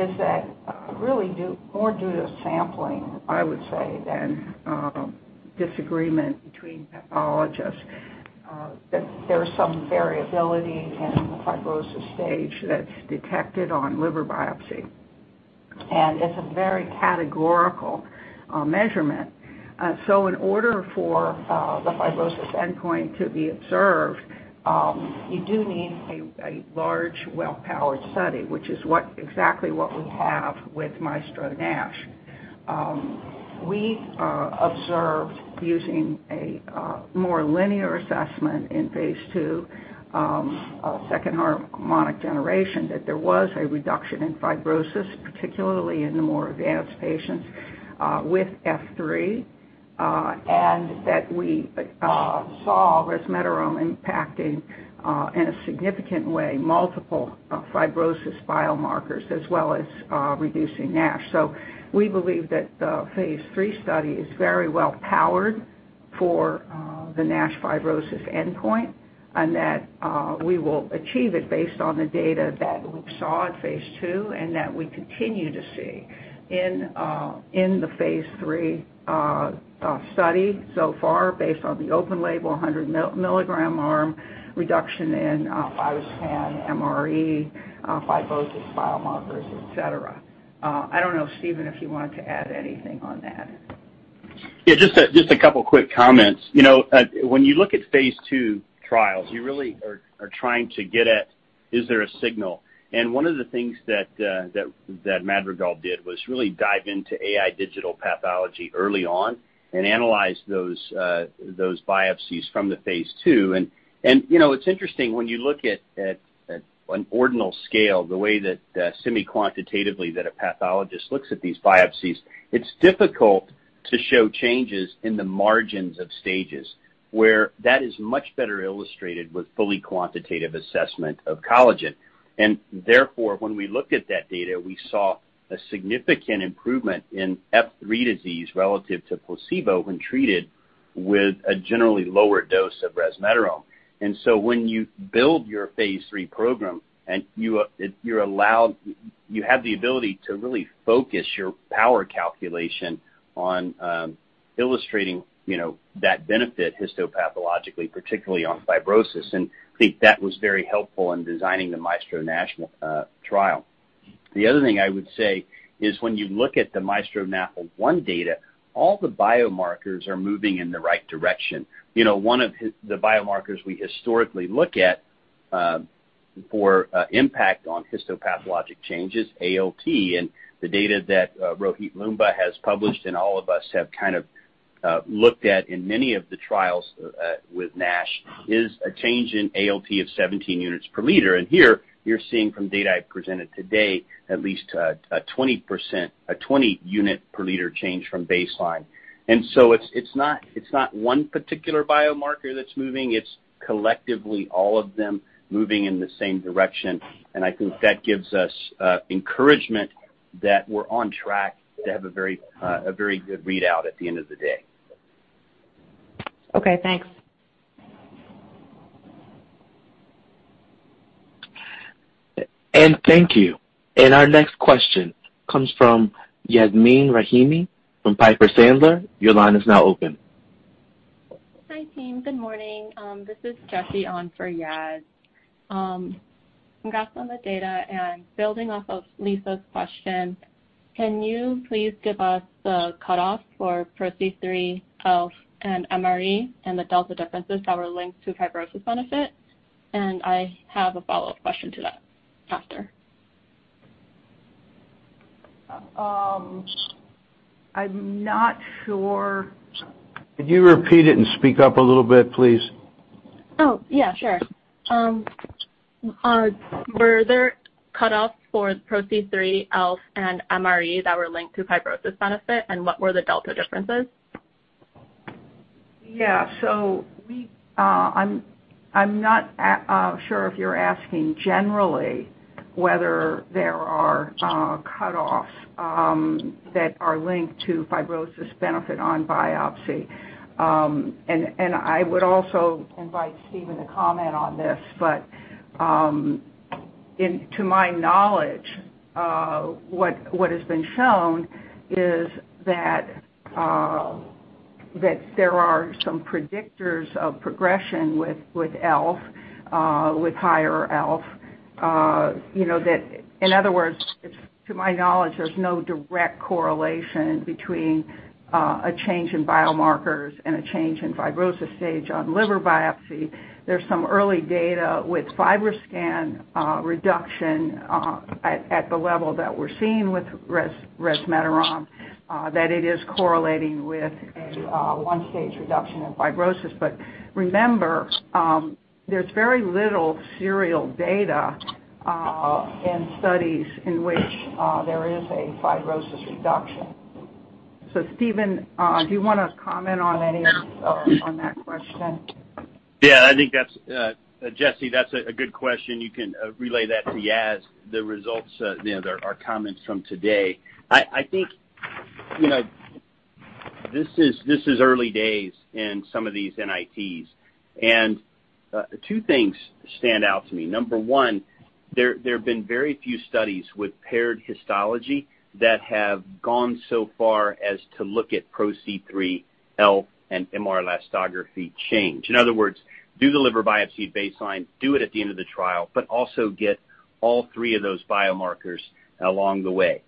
is that really more due to sampling, I would say, than disagreement between pathologists that there's some variability in the fibrosis stage that's detected on liver biopsy. It's a very categorical measurement. In order for the fibrosis endpoint to be observed, you do need a large well-powered study, which is exactly what we have with MAESTRO-NASH. We observed using a more linear assessment in phase II, second harmonic generation, that there was a reduction in fibrosis, particularly in the more advanced patients with F3, and that we saw resmetirom impacting in a significant way multiple fibrosis biomarkers as well as reducing NASH. We believe that the phase III study is very well powered for the NASH fibrosis endpoint, and that we will achieve it based on the data that we saw at phase II, and that we continue to see in the phase III study so far based on the open-label 100-mg arm reduction in FibroScan MRE, fibrosis biomarkers, et cetera. I don't know, Stephen, if you wanted to add anything on that. Yeah, just a couple quick comments. You know, when you look at phase II trials, you really are trying to get at is there a signal. One of the things that Madrigal did was really dive into AI digital pathology early on and analyze those biopsies from the phase II. You know, it's interesting when you look at an ordinal scale, the way that semi-quantitatively that a pathologist looks at these biopsies, it's difficult to show changes in the margins of stages where that is much better illustrated with fully quantitative assessment of collagen. Therefore, when we looked at that data, we saw a significant improvement in F3 disease relative to placebo when treated with a generally lower dose of resmetirom. When you build your phase III program and you have the ability to really focus your power calculation on illustrating, you know, that benefit histopathologically, particularly on fibrosis. I think that was very helpful in designing the MAESTRO-NASH trial. The other thing I would say is when you look at the MAESTRO-NAFLD-1 data, all the biomarkers are moving in the right direction. You know, one of the biomarkers we historically look at for impact on histopathologic changes, ALT, and the data that Rohit Loomba has published, and all of us have kind of looked at in many of the trials with NASH, is a change in ALT of 17 units per liter. Here you're seeing from data I presented today at least a 20%, a 20 unit per liter change from baseline. It's not one particular biomarker that's moving, it's collectively all of them moving in the same direction. I think that gives us encouragement that we're on track to have a very good readout at the end of the day. Okay, thanks. Thank you. Our next question comes from Yasmeen Rahimi from Piper Sandler. Your line is now open. Hi, team. Good morning. This is Jesse on for Yas. Congrats on the data and building off of Lisa's question, can you please give us the cutoff for PRO-C3, ELF, and MRE and the delta differences that were linked to fibrosis benefit? I have a follow-up question to that after. I'm not sure. Could you repeat it and speak up a little bit, please? Oh, yeah, sure. Were there cutoffs for PRO-C3, ELF, and MRE that were linked to fibrosis benefit, and what were the delta differences? I'm not sure if you're asking generally whether there are cutoffs that are linked to fibrosis benefit on biopsy. I would also invite Stephen to comment on this, but to my knowledge, what has been shown is that there are some predictors of progression with ELF with higher ELF. In other words, to my knowledge, there's no direct correlation between a change in biomarkers and a change in fibrosis stage on liver biopsy. There's some early data with FibroScan reduction at the level that we're seeing with resmetirom that it is correlating with a one-stage reduction in fibrosis. Remember, there's very little serial data in studies in which there is a fibrosis reduction. Stephen, do you wanna comment on that question? Yeah, I think that's Jesse, that's a good question. You can relay that to Yas, the results, you know, there are comments from today. I think, you know, this is early days in some of these NITs, and two things stand out to me. Number one, there have been very few studies with paired histology that have gone so far as to look at PRO-C3, ELF, and MR elastography change. In other words, do the liver biopsy baseline, do it at the end of the trial, but also get all three of those biomarkers along the way.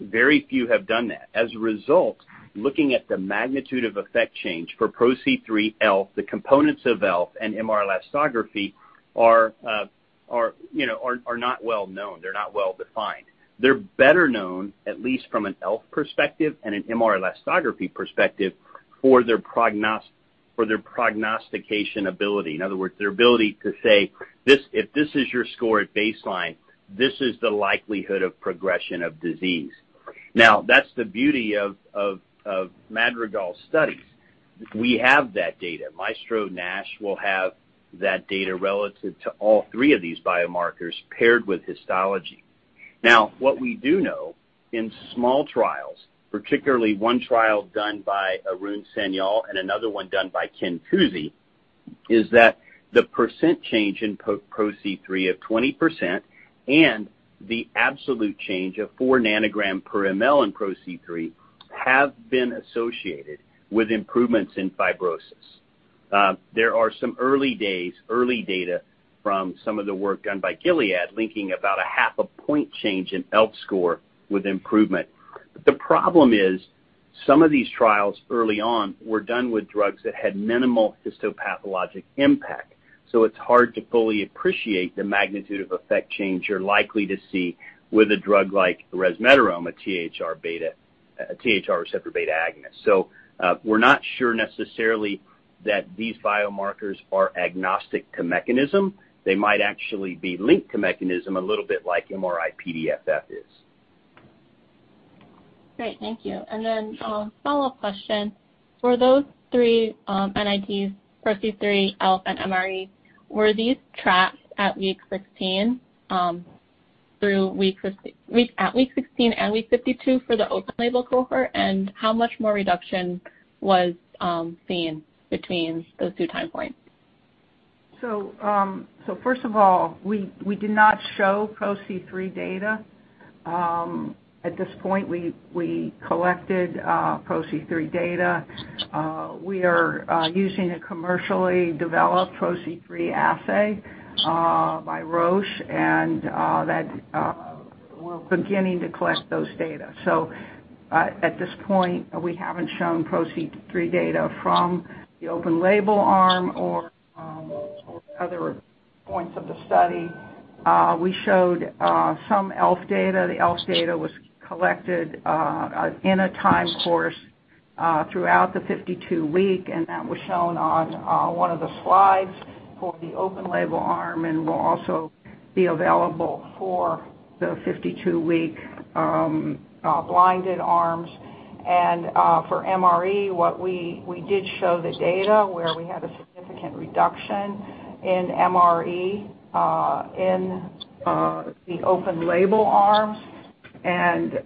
Very few have done that. As a result, looking at the magnitude of effect change for PRO-C3, ELF, the components of ELF and MR elastography are, you know, are not well known. They're not well-defined. They're better known, at least from an ELF perspective and an MR elastography perspective for their prognostication ability. In other words, their ability to say this, "If this is your score at baseline, this is the likelihood of progression of disease." Now, that's the beauty of Madrigal studies. We have that data. MAESTRO-NASH will have that data relative to all three of these biomarkers paired with histology. Now, what we do know in small trials, particularly one trial done by Arun Sanyal and another one done by Ken Cusi, is that the 20% change in PRO-C3 and the absolute change of 4 ng/mL in PRO-C3 have been associated with improvements in fibrosis. There are some early data from some of the work done by Gilead linking about a 0.5-point change in ELF score with improvement. The problem is some of these trials early on were done with drugs that had minimal histopathologic impact, so it's hard to fully appreciate the magnitude of effect change you're likely to see with a drug like resmetirom, a THR receptor beta agonist. We're not sure necessarily that these biomarkers are agnostic to mechanism. They might actually be linked to mechanism a little bit like MRI-PDFF is. Great. Thank you. Then a follow-up question. For those three, NIT, PRO-C3, ELF, and MRE, were these tracked at week 16 and week 52 for the open-label cohort? And how much more reduction was seen between those two time points? First of all, we did not show PRO-C3 data. At this point we collected PRO-C3 data. We are using a commercially developed PRO-C3 assay by Roche and we're beginning to collect those data. At this point, we haven't shown PRO-C3 data from the open label arm or other points of the study. We showed some ELF data. The ELF data was collected in a time course throughout the 52-week, and that was shown on one of the slides for the open label arm and will also be available for the 52-week blinded arms. For MRE, what we did show the data where we had a significant reduction in MRE in the open label arm, and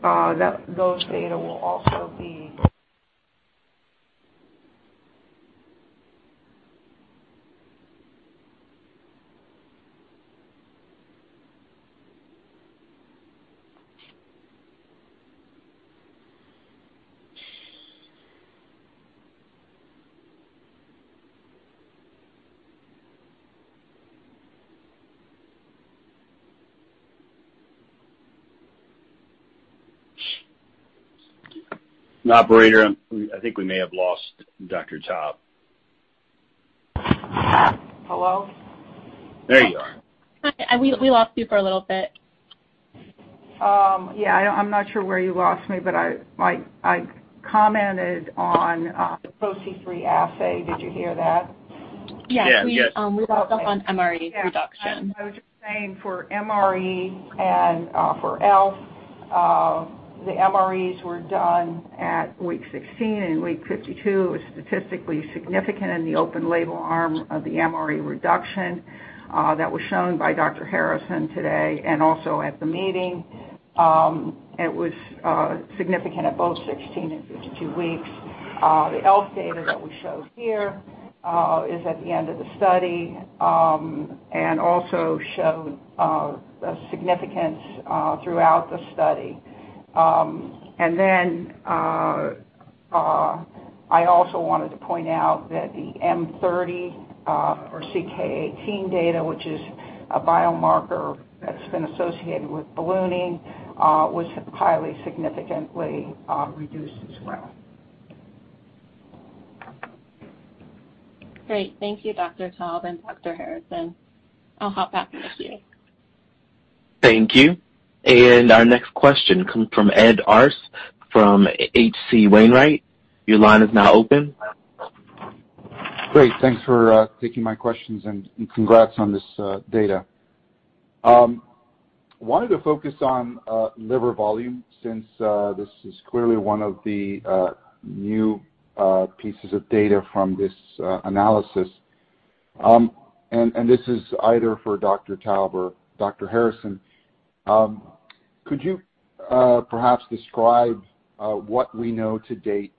those data will also be... Operator, I think we may have lost Dr. Taub. Hello? There you are. Hi. We lost you for a little bit. Yeah, I'm not sure where you lost me, but I commented on the PRO-C3 assay. Did you hear that? Yes. Yes. We, um- Yes. We lost you on MRE reduction. Yes. I was just saying for MRE and for ELF, the MREs were done at week 16 and week 52. It was statistically significant in the open label arm of the MRE reduction, that was shown by Dr. Harrison today and also at the meeting. It was significant at both 16 and 52 weeks. The ELF data that we showed here is at the end of the study, and also showed a significance throughout the study. I also wanted to point out that the M30 or CK-18 data, which is a biomarker that's been associated with ballooning, was highly significantly reduced as well. Great. Thank you, Dr. Taub and Dr. Harrison. I'll hop back in the queue. Thank you. Our next question comes from Ed Arce from H.C. Wainwright. Your line is now open. Great. Thanks for taking my questions, and congrats on this data. Wanted to focus on liver volume since this is clearly one of the new pieces of data from this analysis. This is either for Dr. Taub or Dr. Harrison. Could you perhaps describe what we know to date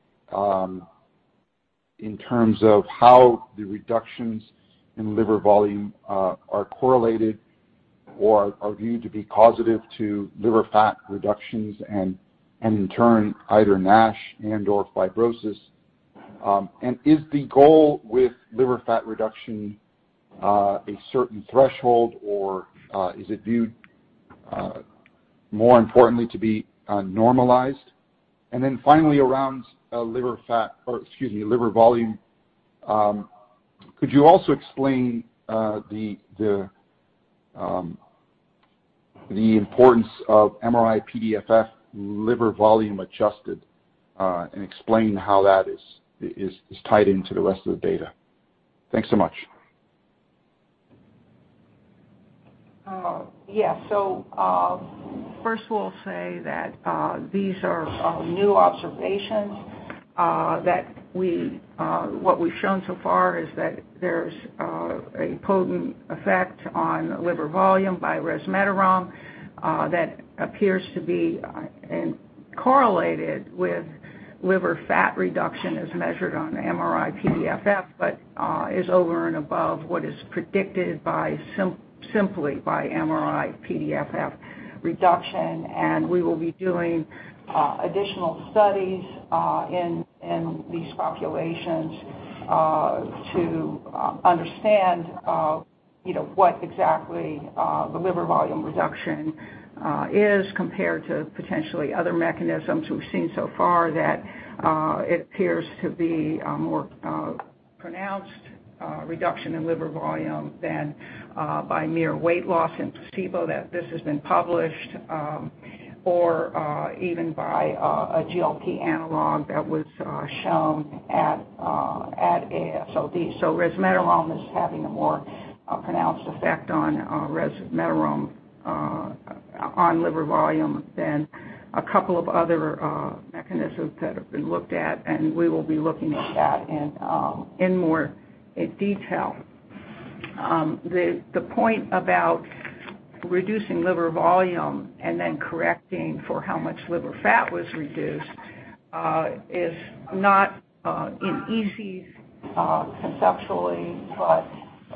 in terms of how the reductions in liver volume are correlated or are viewed to be causative to liver fat reductions and in turn, either NASH and/or fibrosis? Is the goal with liver fat reduction a certain threshold, or is it viewed more importantly to be normalized? Finally, around liver volume, could you also explain the importance of MRI-PDFF liver volume adjusted, and explain how that is tied into the rest of the data? Thanks so much. First of all, say that these are new observations that what we've shown so far is that there's a potent effect on liver volume by resmetirom that appears to be correlated with liver fat reduction as measured on MRI-PDFF, but is over and above what is predicted by simply by MRI-PDFF reduction. We will be doing additional studies in these populations to understand you know what exactly the liver volume reduction is compared to potentially other mechanisms we've seen so far that it appears to be a more pronounced reduction in liver volume than by mere weight loss in placebo that this has been published or even by a GLP-1 analog that was shown at AASLD. Resmetirom is having a more pronounced effect on resmetirom on liver volume than a couple of other mechanisms that have been looked at, and we will be looking at that in more detail. The point about reducing liver volume and then correcting for how much liver fat was reduced is not an easy conceptually, but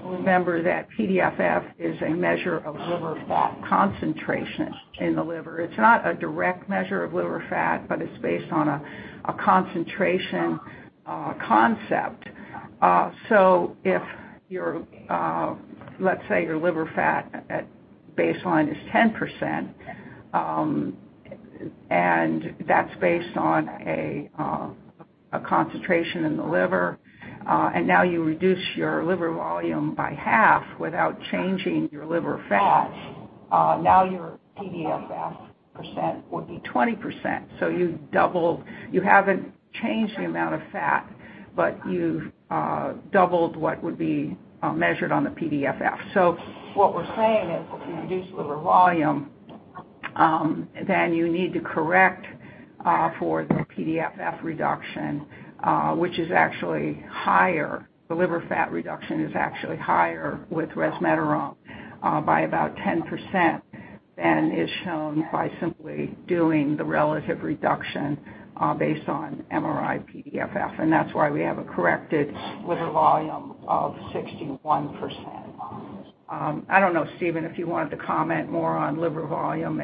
remember that PDFF is a measure of liver fat concentration in the liver. It's not a direct measure of liver fat, but it's based on a concentration concept. If your let's say your liver fat at baseline is 10%, and that's based on a concentration in the liver, and now you reduce your liver volume by half without changing your liver fat, now your PDFF percent would be 20%. You've doubled. You haven't changed the amount of fat, but you've doubled what would be measured on the PDFF. What we're saying is if you reduce liver volume, then you need to correct for the PDFF reduction, which is actually higher. The liver fat reduction is actually higher with resmetirom by about 10% than is shown by simply doing the relative reduction based on MRI-PDFF. That's why we have a corrected liver volume of 61%. I don't know, Stephen, if you wanted to comment more on liver volume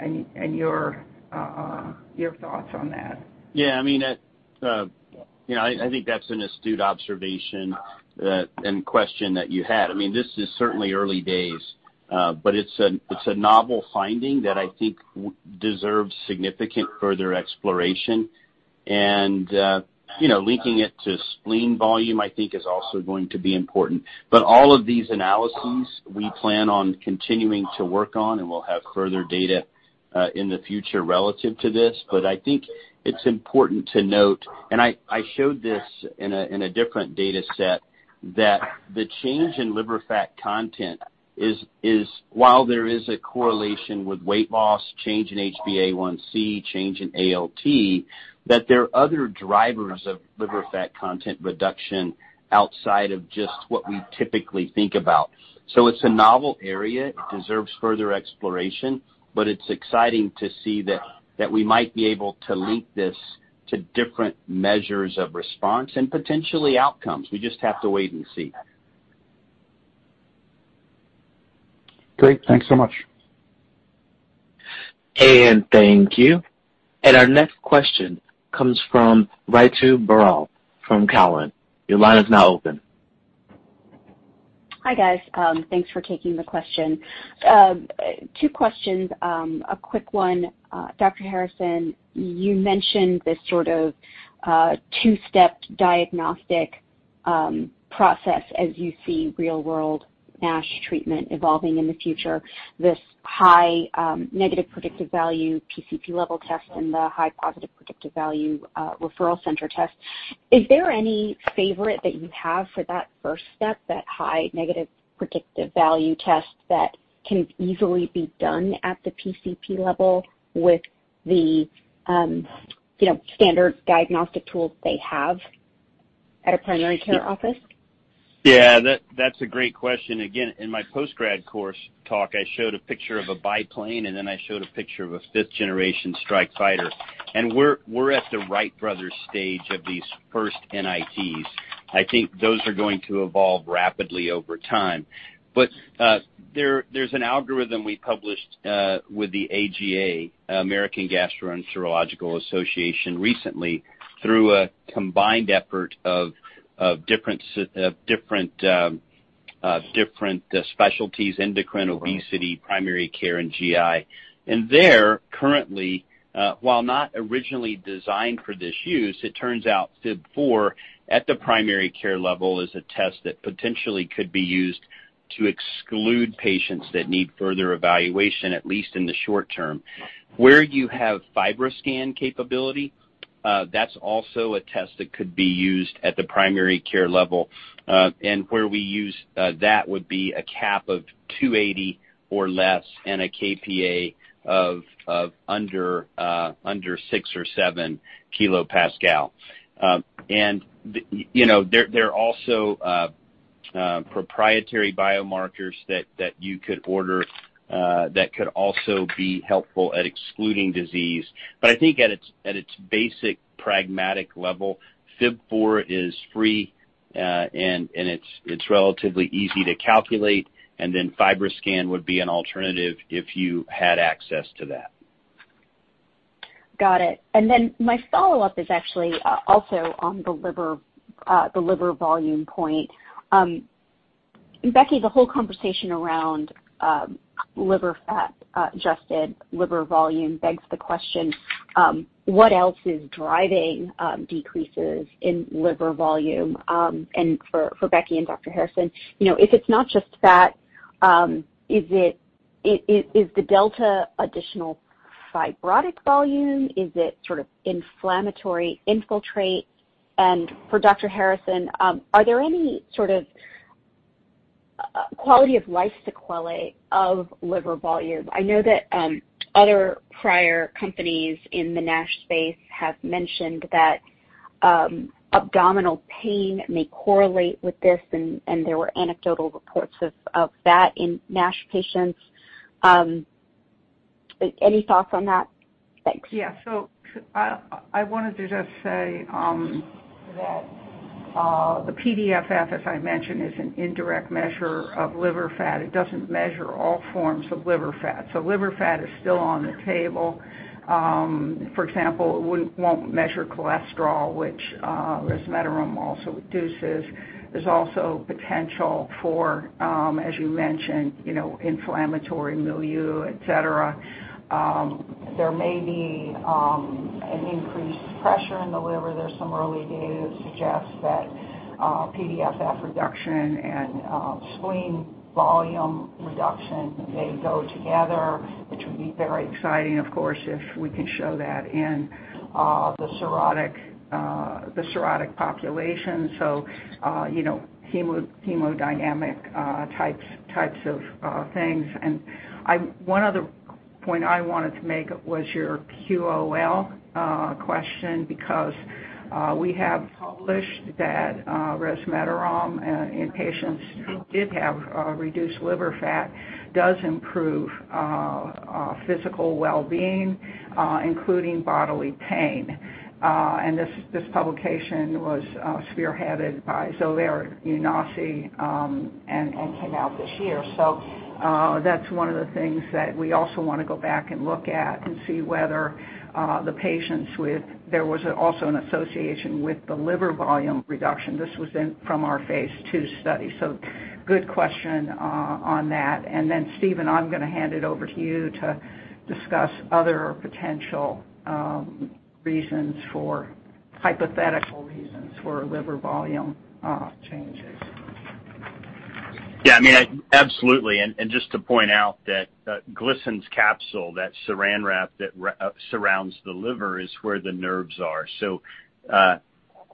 and your thoughts on that. Yeah. I mean, that you know I think that's an astute observation and question that you had. I mean, this is certainly early days, but it's a novel finding that I think deserves significant further exploration. You know, linking it to spleen volume I think is also going to be important. But all of these analyses we plan on continuing to work on, and we'll have further data in the future relative to this. But I think it's important to note, and I showed this in a different data set, that the change in liver fat content is while there is a correlation with weight loss, change in HbA1c, change in ALT, that there are other drivers of liver fat content reduction outside of just what we typically think about. So it's a novel area. It deserves further exploration, but it's exciting to see that we might be able to link this to different measures of response and potentially outcomes. We just have to wait and see. Great. Thanks so much. Thank you. Our next question comes from Ritu Baral from Cowen. Your line is now open. Hi, guys. Thanks for taking the question. Two questions. A quick one. Dr. Harrison, you mentioned this sort of two-step diagnostic process as you see real-world NASH treatment evolving in the future, this high negative predictive value PCP level test and the high positive predictive value referral center test. Is there any favorite that you have for that first step, that high negative predictive value test that can easily be done at the PCP level with the you know standard diagnostic tools they have at a primary care office? Yeah, that's a great question. Again, in my post-grad course talk, I showed a picture of a biplane, and then I showed a picture of a fifth-generation strike fighter. We're at the Wright brothers' stage of these first NITs. I think those are going to evolve rapidly over time. There's an algorithm we published with the AGA, American Gastroenterological Association, recently through a combined effort of different specialties, endocrine, obesity, primary care, and GI. Currently, while not originally designed for this use, it turns out FIB-4 at the primary care level is a test that potentially could be used to exclude patients that need further evaluation, at least in the short term. Where you have FibroScan capability, that's also a test that could be used at the primary care level. Where we use that would be a CAP of 280 or less and a kPa of under 6 or 7 kPa. You know, there are also proprietary biomarkers that you could order that could also be helpful at excluding disease. But I think at its basic pragmatic level, FIB-4 is free, and it's relatively easy to calculate. Then FibroScan would be an alternative if you had access to that. Got it. Then my follow-up is actually also on the liver, the liver volume point. Becky, the whole conversation around liver fat-adjusted liver volume begs the question what else is driving decreases in liver volume? For Becky and Dr. Harrison, you know, if it's not just fat, is it the delta additional fibrotic volume? Is it sort of inflammatory infiltrate? For Dr. Harrison, are there any sort of quality-of-life sequelae of liver volume? I know that other prior companies in the NASH space have mentioned that abdominal pain may correlate with this, and there were anecdotal reports of that in NASH patients. Any thoughts on that? Thanks. Yeah, I wanted to just say that the PDFF, as I mentioned, is an indirect measure of liver fat. It doesn't measure all forms of liver fat. Liver fat is still on the table. For example, it won't measure cholesterol, which resmetirom also reduces. There's also potential for, as you mentioned, you know, inflammatory milieu, et cetera. There may be an increased pressure in the liver. There's some early data that suggests that PDFF reduction and spleen volume reduction may go together, which would be very exciting, of course, if we can show that in the cirrhotic population. You know, hemodynamic types of things. One other point I wanted to make was your QOL question because we have published that resmetirom in patients who did have reduced liver fat does improve physical well-being, including bodily pain. This publication was spearheaded by Zobair Younossi and came out this year. That's one of the things that we also wanna go back and look at and see whether the patients. There was also an association with the liver volume reduction. This was from our phase II study. Good question on that. Then Stephen, I'm gonna hand it over to you to discuss other potential reasons for hypothetical reasons for liver volume changes. Yeah, I mean, absolutely. Just to point out that Glisson's capsule, that Saran wrap that surrounds the liver, is where the nerves are.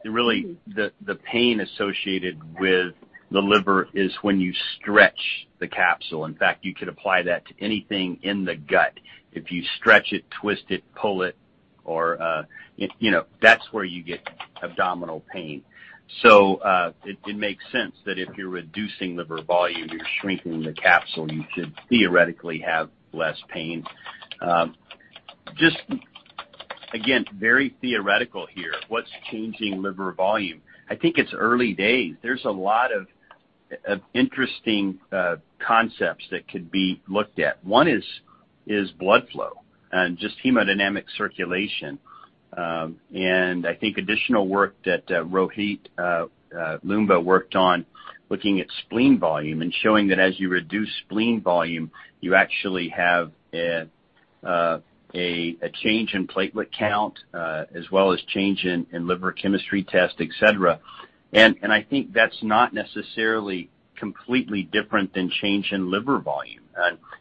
Really the pain associated with the liver is when you stretch the capsule. In fact, you could apply that to anything in the gut. If you stretch it, twist it, pull it, or you know, that's where you get abdominal pain. It makes sense that if you're reducing liver volume, you're shrinking the capsule, you should theoretically have less pain. Just. Again, very theoretical here. What's changing liver volume? I think it's early days. There's a lot of interesting concepts that could be looked at. One is blood flow and just hemodynamic circulation. I think additional work that Rohit Loomba worked on looking at spleen volume and showing that as you reduce spleen volume, you actually have a change in platelet count as well as change in liver chemistry test, et cetera. I think that's not necessarily completely different than change in liver volume.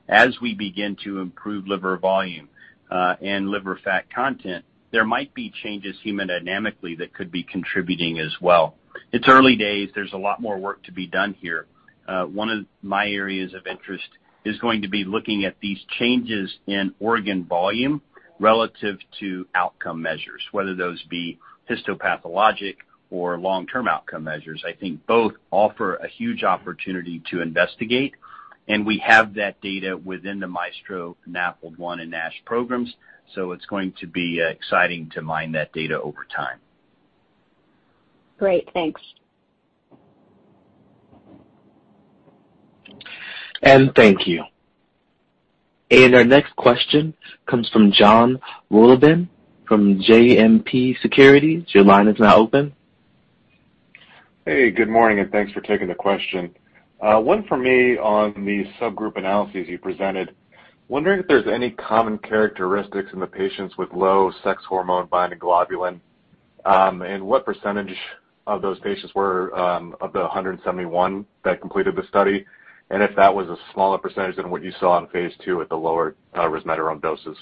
As we begin to improve liver volume and liver fat content, there might be changes hemodynamically that could be contributing as well. It's early days. There's a lot more work to be done here. One of my areas of interest is going to be looking at these changes in organ volume relative to outcome measures, whether those be histopathologic or long-term outcome measures. I think both offer a huge opportunity to investigate, and we have that data within the MAESTRO-NAFLD-1 and MAESTRO-NASH programs. It's going to be exciting to mine that data over time. Great. Thanks. Thank you. Our next question comes from Jon Wolleben from JMP Securities. Your line is now open. Hey, good morning, and thanks for taking the question. One for me on the subgroup analyses you presented. Wondering if there's any common characteristics in the patients with low sex hormone binding globulin, and what percentage of those patients were of the 171 that completed the study, and if that was a smaller percentage than what you saw in phase II with the lower resmetirom doses.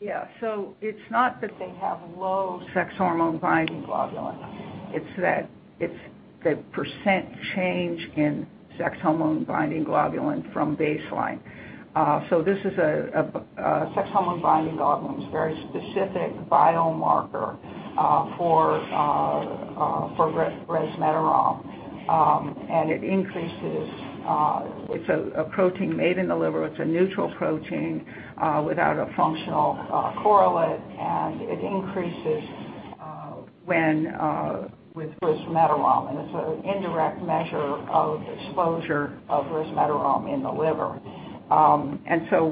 Yeah. It's not that they have low sex hormone-binding globulin. It's that it's the percent change in sex hormone-binding globulin from baseline. This is a sex hormone-binding globulin. It's a very specific biomarker for resmetirom. It increases. It's a protein made in the liver. It's a neutral protein without a functional correlate, and it increases with resmetirom, and it's an indirect measure of exposure of resmetirom in the liver.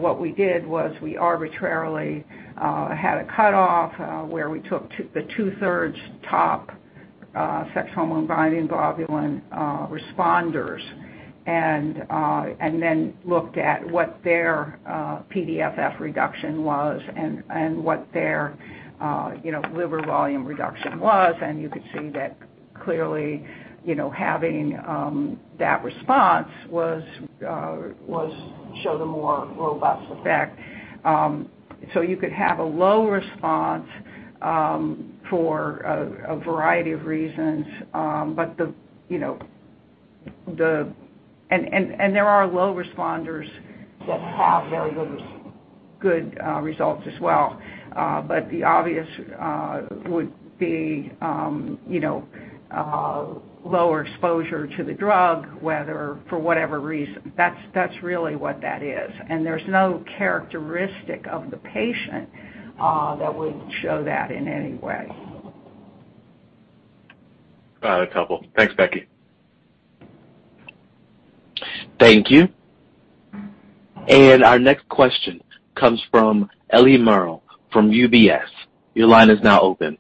What we did was we arbitrarily had a cutoff where we took the top two-thirds sex hormone-binding globulin responders and then looked at what their PDFF reduction was and what their you know liver volume reduction was. You could see that clearly, you know, having that response was showed a more robust effect. You could have a low response for a variety of reasons, but, you know, the there are low responders that have very good results as well. The obvious would be, you know, lower exposure to the drug, whether for whatever reason. That's really what that is. There's no characteristic of the patient that would show that in any way. Got it. Helpful. Thanks, Becky. Thank you. Our next question comes from Ellie Merle from UBS. Your line is now open.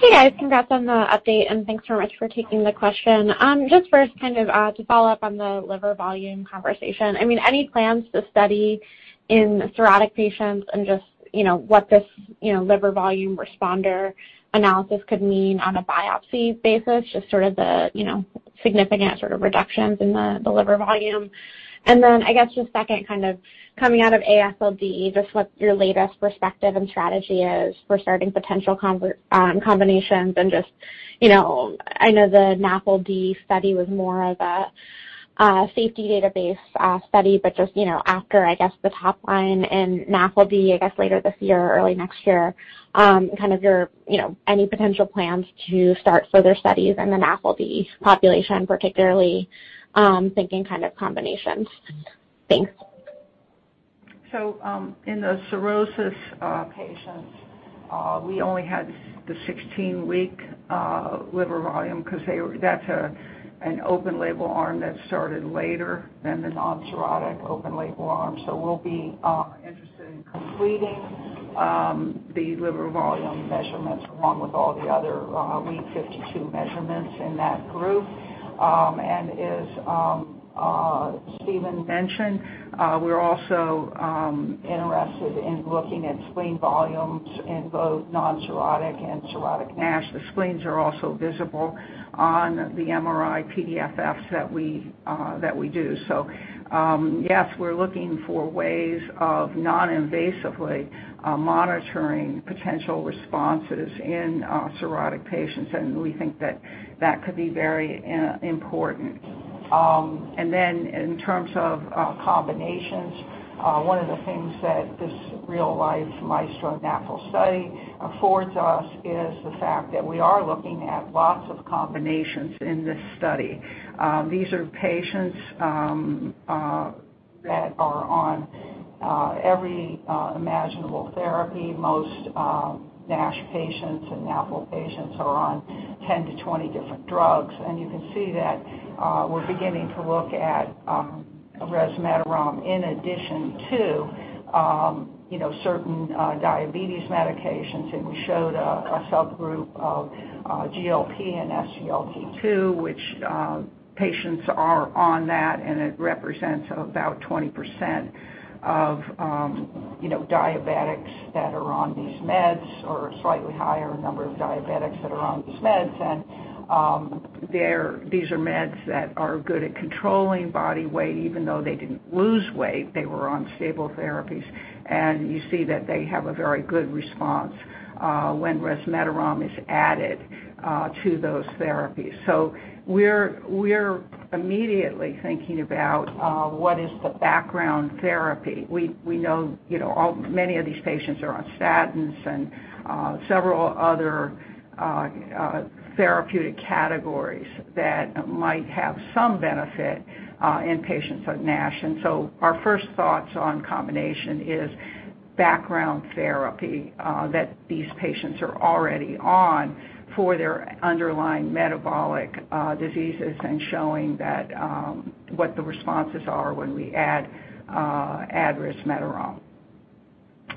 Hey, guys. Congrats on the update, and thanks so much for taking the question. Just first kind of to follow up on the liver volume conversation. I mean, any plans to study in cirrhotic patients and just, you know, what this, you know, liver volume responder analysis could mean on a biopsy basis, just sort of the, you know, significant sort of reductions in the liver volume. I guess just second kind of coming out of AASLD, just what your latest perspective and strategy is for starting potential combinations and just, you know, I know the NAFLD study was more of a safety database study, but just, you know, after, I guess, the top line in NAFLD, I guess, later this year or early next year, kind of your, you know, any potential plans to start further studies in the NAFLD population, particularly, thinking kind of combinations. Thanks. In the cirrhosis patients, we only had the 16-week liver volume 'cause that's an open-label arm that started later than the non-cirrhotic open-label arm. We'll be interested in completing the liver volume measurements along with all the other Week 52 measurements in that group. As Stephen mentioned, we're also interested in looking at spleen volumes in both non-cirrhotic and cirrhotic NASH. The spleens are also visible on the MRI-PDFFs that we do. Yes, we're looking for ways of non-invasively monitoring potential responses in cirrhotic patients, and we think that could be very important. In terms of combinations, one of the things that this real-life MAESTRO-NAFLD study affords us is the fact that we are looking at lots of combinations in this study. These are patients that are on every imaginable therapy. Most NASH patients and NAFL patients are on 10-20 different drugs. You can see that we're beginning to look at resmetirom in addition to you know certain diabetes medications. We showed a subgroup of GLP-1 and SGLT2, which patients are on that, and it represents about 20% of you know diabetics that are on these meds or a slightly higher number of diabetics that are on these meds. These are meds that are good at controlling body weight, even though they didn't lose weight, they were on stable therapies. You see that they have a very good response when resmetirom is added to those therapies. We're immediately thinking about what the background therapy is. We know, you know, many of these patients are on statins and several other therapeutic categories that might have some benefit in patients with NASH. Our first thoughts on combination is background therapy that these patients are already on for their underlying metabolic diseases and showing that what the responses are when we add resmetirom.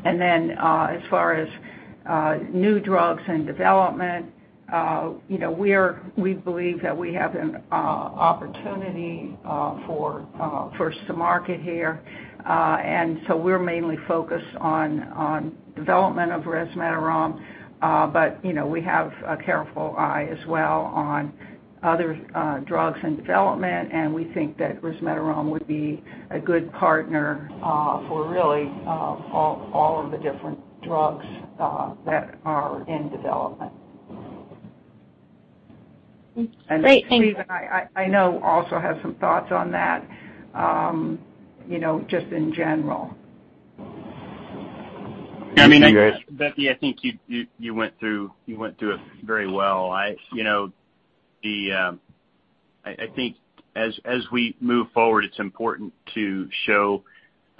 As far as new drugs and development, you know, we believe that we have an opportunity for first to market here. We're mainly focused on development of resmetirom. You know, we have a careful eye as well on other drugs in development, and we think that resmetirom would be a good partner for really all of the different drugs that are in development. Great. Thank you. Stephen, I know also has some thoughts on that, you know, just in general. I mean. Becky, I think you went through it very well. You know, I think as we move forward, it's important to show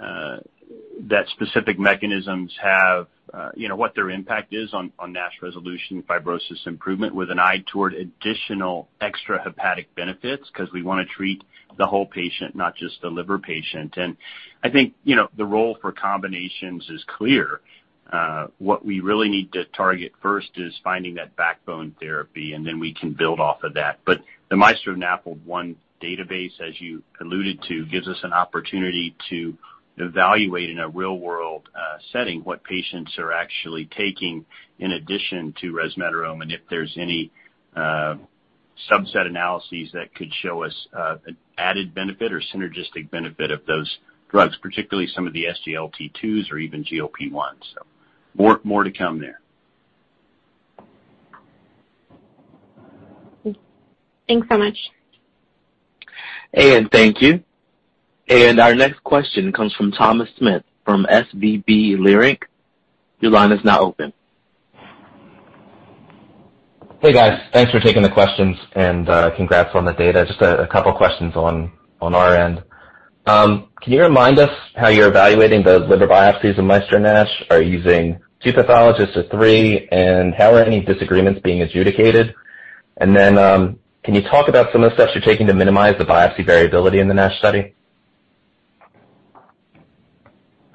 that specific mechanisms have you know what their impact is on NASH resolution, fibrosis improvement, with an eye toward additional extrahepatic benefits because we wanna treat the whole patient, not just the liver patient. I think, you know, the role for combinations is clear. What we really need to target first is finding that backbone therapy, and then we can build off of that. The MAESTRO-NAFLD-1 database, as you alluded to, gives us an opportunity to evaluate in a real-world setting what patients are actually taking in addition to resmetirom, and if there's any subset analyses that could show us an added benefit or synergistic benefit of those drugs, particularly some of the SGLT2s or even GLP-1s. More to come there. Thanks so much. Thank you. Our next question comes from Thomas Smith from SVB Leerink. Your line is now open. Hey, guys. Thanks for taking the questions, and congrats on the data. Just a couple questions on our end. Can you remind us how you're evaluating the liver biopsies in MAESTRO-NASH? Are you using two pathologists or three? How are any disagreements being adjudicated? Can you talk about some of the steps you're taking to minimize the biopsy variability in the NASH study? Okay,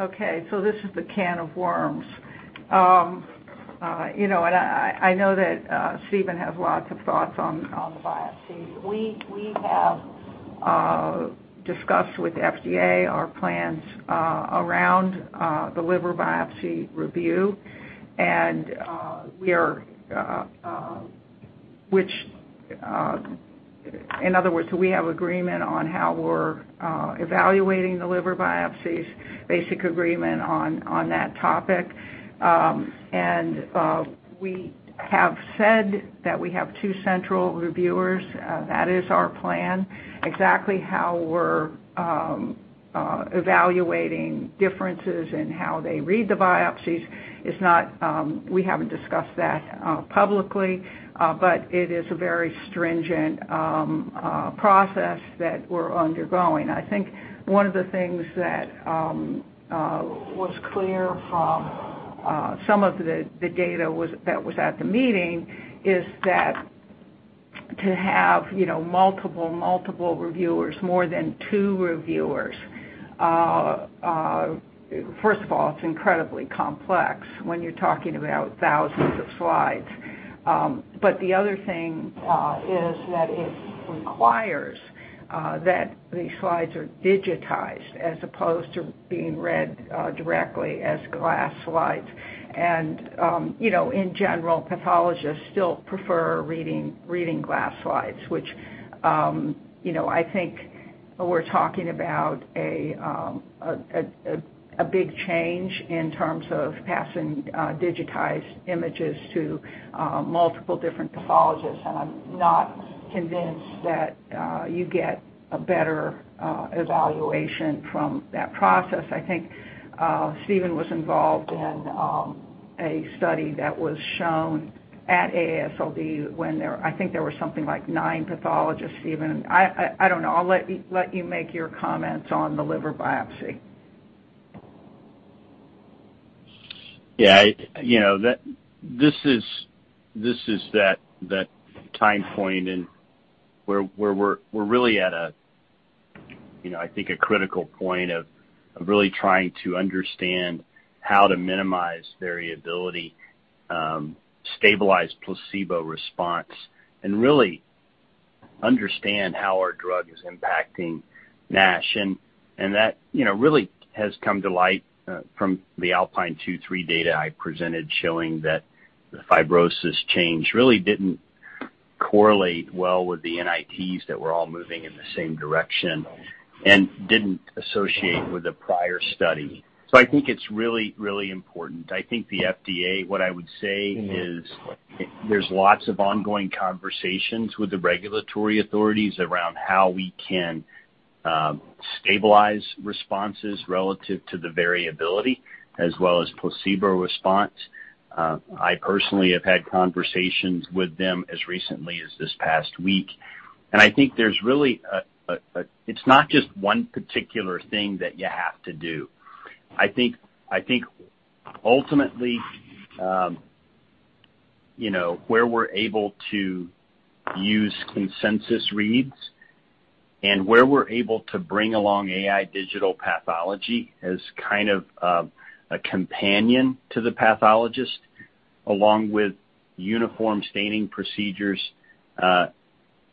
this is the can of worms. You know, I know that Stephen has lots of thoughts on the biopsies. We have discussed with FDA our plans around the liver biopsy review, and in other words, we have agreement on how we're evaluating the liver biopsies, basic agreement on that topic. We have said that we have two central reviewers. That is our plan. Exactly how we're evaluating differences in how they read the biopsies, we haven't discussed publicly, but it is a very stringent process that we're undergoing. I think one of the things that was clear from some of the data that was at the meeting is that to have, you know, multiple reviewers, more than two reviewers, first of all, it's incredibly complex when you're talking about thousands of slides. But the other thing is that it requires that the slides are digitized as opposed to being read directly as glass slides. You know, in general, pathologists still prefer reading glass slides, which, you know, I think we're talking about a big change in terms of passing digitized images to multiple different pathologists. I'm not convinced that you get a better evaluation from that process. I think Stephen was involved in a study that was shown at AASLD, I think there were something like nine pathologists, Stephen. I don't know. I'll let you make your comments on the liver biopsy. Yeah, you know, that this is that time point and where we're really at a, you know, I think a critical point of really trying to understand how to minimize variability, stabilize placebo response, and really understand how our drug is impacting NASH. That really has come to light from the ALPINE 2/3 data I presented showing that the fibrosis change really didn't correlate well with the NITs that were all moving in the same direction and didn't associate with the prior study. I think it's really important. I think the FDA, what I would say is there's lots of ongoing conversations with the regulatory authorities around how we can stabilize responses relative to the variability as well as placebo response. I personally have had conversations with them as recently as this past week. I think there's really a... It's not just one particular thing that you have to do. I think ultimately, you know, where we're able to use consensus reads and where we're able to bring along AI digital pathology as kind of a companion to the pathologist along with uniform staining procedures,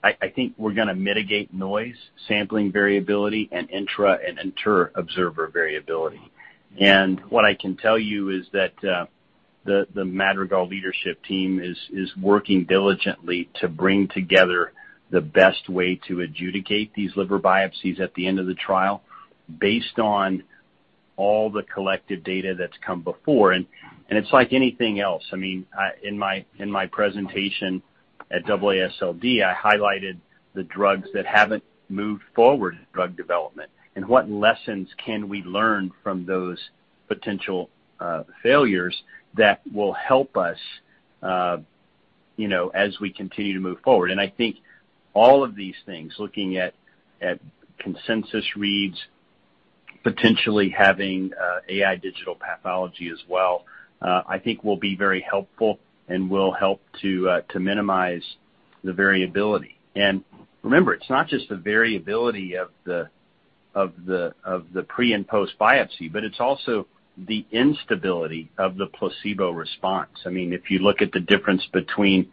I think we're gonna mitigate noise, sampling variability, and intra and interobserver variability. What I can tell you is that the Madrigal leadership team is working diligently to bring together the best way to adjudicate these liver biopsies at the end of the trial based on all the collective data that's come before. It's like anything else. I mean, in my presentation at AASLD, I highlighted the drugs that haven't moved forward in drug development, and what lessons can we learn from those potential failures that will help us, you know, as we continue to move forward. I think all of these things, looking at consensus reads, potentially having AI digital pathology as well, I think will be very helpful and will help to minimize the variability. Remember, it's not just the variability of the pre- and post-biopsy, but it's also the instability of the placebo response. I mean, if you look at the difference between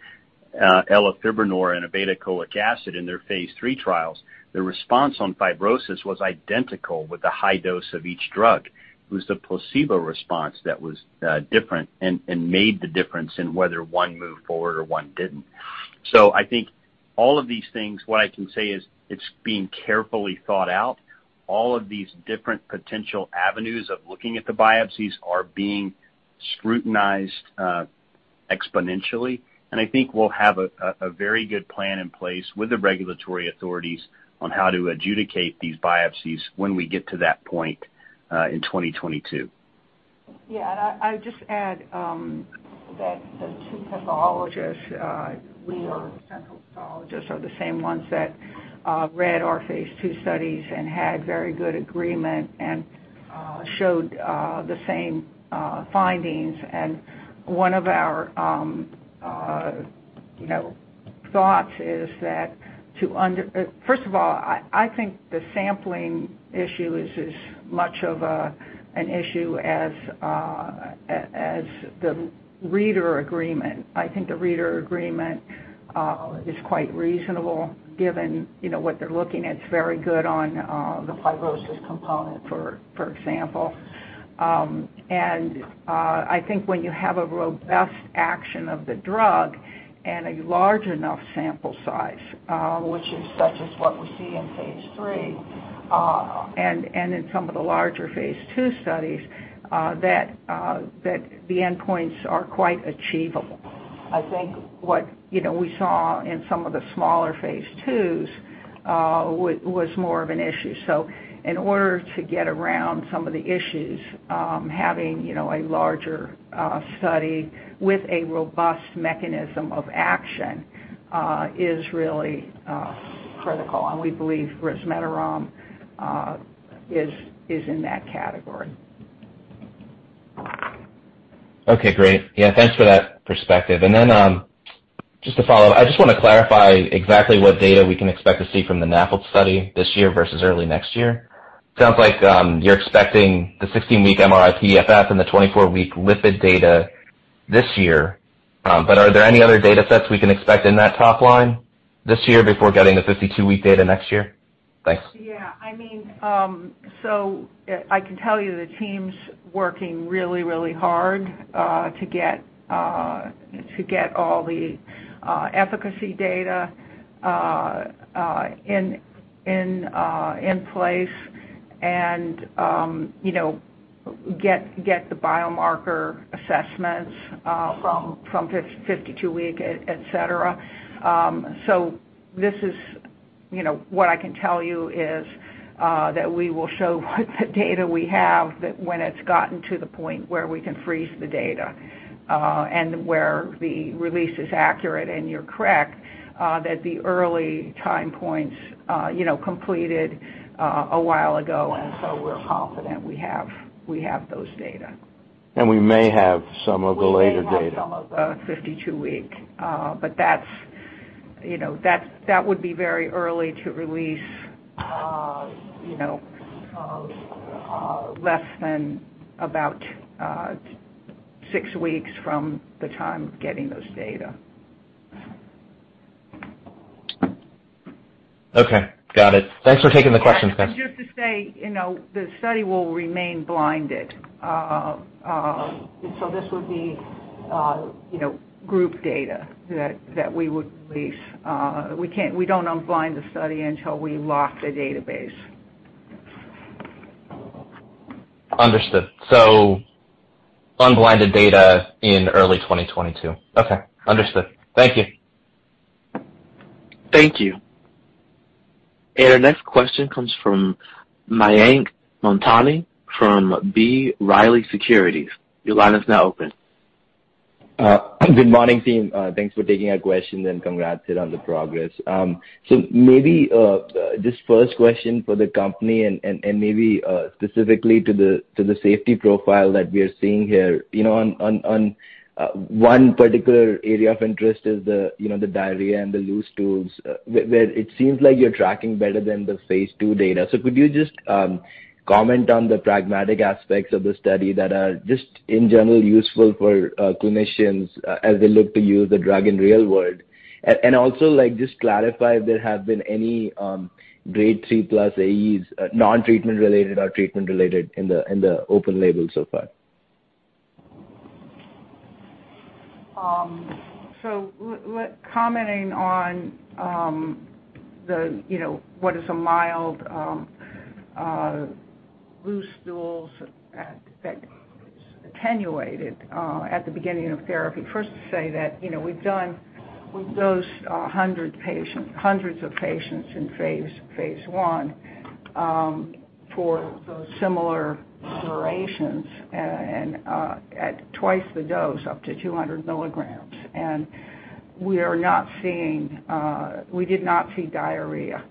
elafibranor and obeticholic acid in their phase III trials, the response on fibrosis was identical with the high dose of each drug. It was the placebo response that was different and made the difference in whether one moved forward or one didn't. I think all of these things, what I can say is it's being carefully thought out. All of these different potential avenues of looking at the biopsies are being scrutinized exponentially. I think we'll have a very good plan in place with the regulatory authorities on how to adjudicate these biopsies when we get to that point in 2022. Yeah. I would just add that the two pathologists we are the central pathologists are the same ones that read our phase II studies and had very good agreement and showed the same findings. One of our you know thoughts is that. First of all, I think the sampling issue is as much of an issue as the reader agreement. I think the reader agreement is quite reasonable given you know what they're looking at. It's very good on the fibrosis component, for example. I think when you have a robust action of the drug and a large enough sample size, which is such as what we see in phase III, and in some of the larger phase II studies, that the endpoints are quite achievable. I think what, you know, we saw in some of the smaller phase IIs, was more of an issue. In order to get around some of the issues, having, you know, a larger study with a robust mechanism of action, is really critical, and we believe resmetirom is in that category. Okay, great. Yeah, thanks for that perspective. Just to follow up, I just wanna clarify exactly what data we can expect to see from the NAFLD study this year versus early next year. Sounds like, you're expecting the 16-week MRI-PDFF and the 24-week lipid data this year. But are there any other data sets we can expect in that top line this year before getting the 52-week data next year? Thanks. I can tell you the team's working really hard to get all the efficacy data in place and, you know, get the biomarker assessments from 52-week, etc. What I can tell you is that we will show the data we have when it's gotten to the point where we can freeze the data and where the release is accurate. You're correct that the early time points, you know, completed a while ago, and so we're confident we have those data. We may have some of the later data. We may have some of the 52-week, but that's, you know, that would be very early to release, you know, less than about six weeks from the time of getting those data. Okay. Got it. Thanks for taking the question. Just to say, you know, the study will remain blinded. This would be, you know, group data that we would release. We don't unblind the study until we lock the database. Understood. Unblinded data in early 2022. Okay, understood. Thank you. Thank you. Our next question comes from Mayank Mamtani from B. Riley Securities. Your line is now open. Good morning, team. Thanks for taking our questions, and congrats here on the progress. This first question for the company and maybe specifically to the safety profile that we are seeing here, you know, on one particular area of interest is the, you know, the diarrhea and the loose stools, where it seems like you're tracking better than the phase II data. Could you just comment on the pragmatic aspects of the study that are just in general useful for clinicians as they look to use the drug in real world? Also, like, just clarify if there have been any grade three plus AEs, non-treatment related or treatment related in the open label so far. Commenting on, you know, what is a mild loose stools that is attenuated at the beginning of therapy. First to say that, you know, we've dosed hundreds of patients in phase I for those similar durations and at twice the dose, up to 200 mg. We are not seeing, we did not see diarrhea.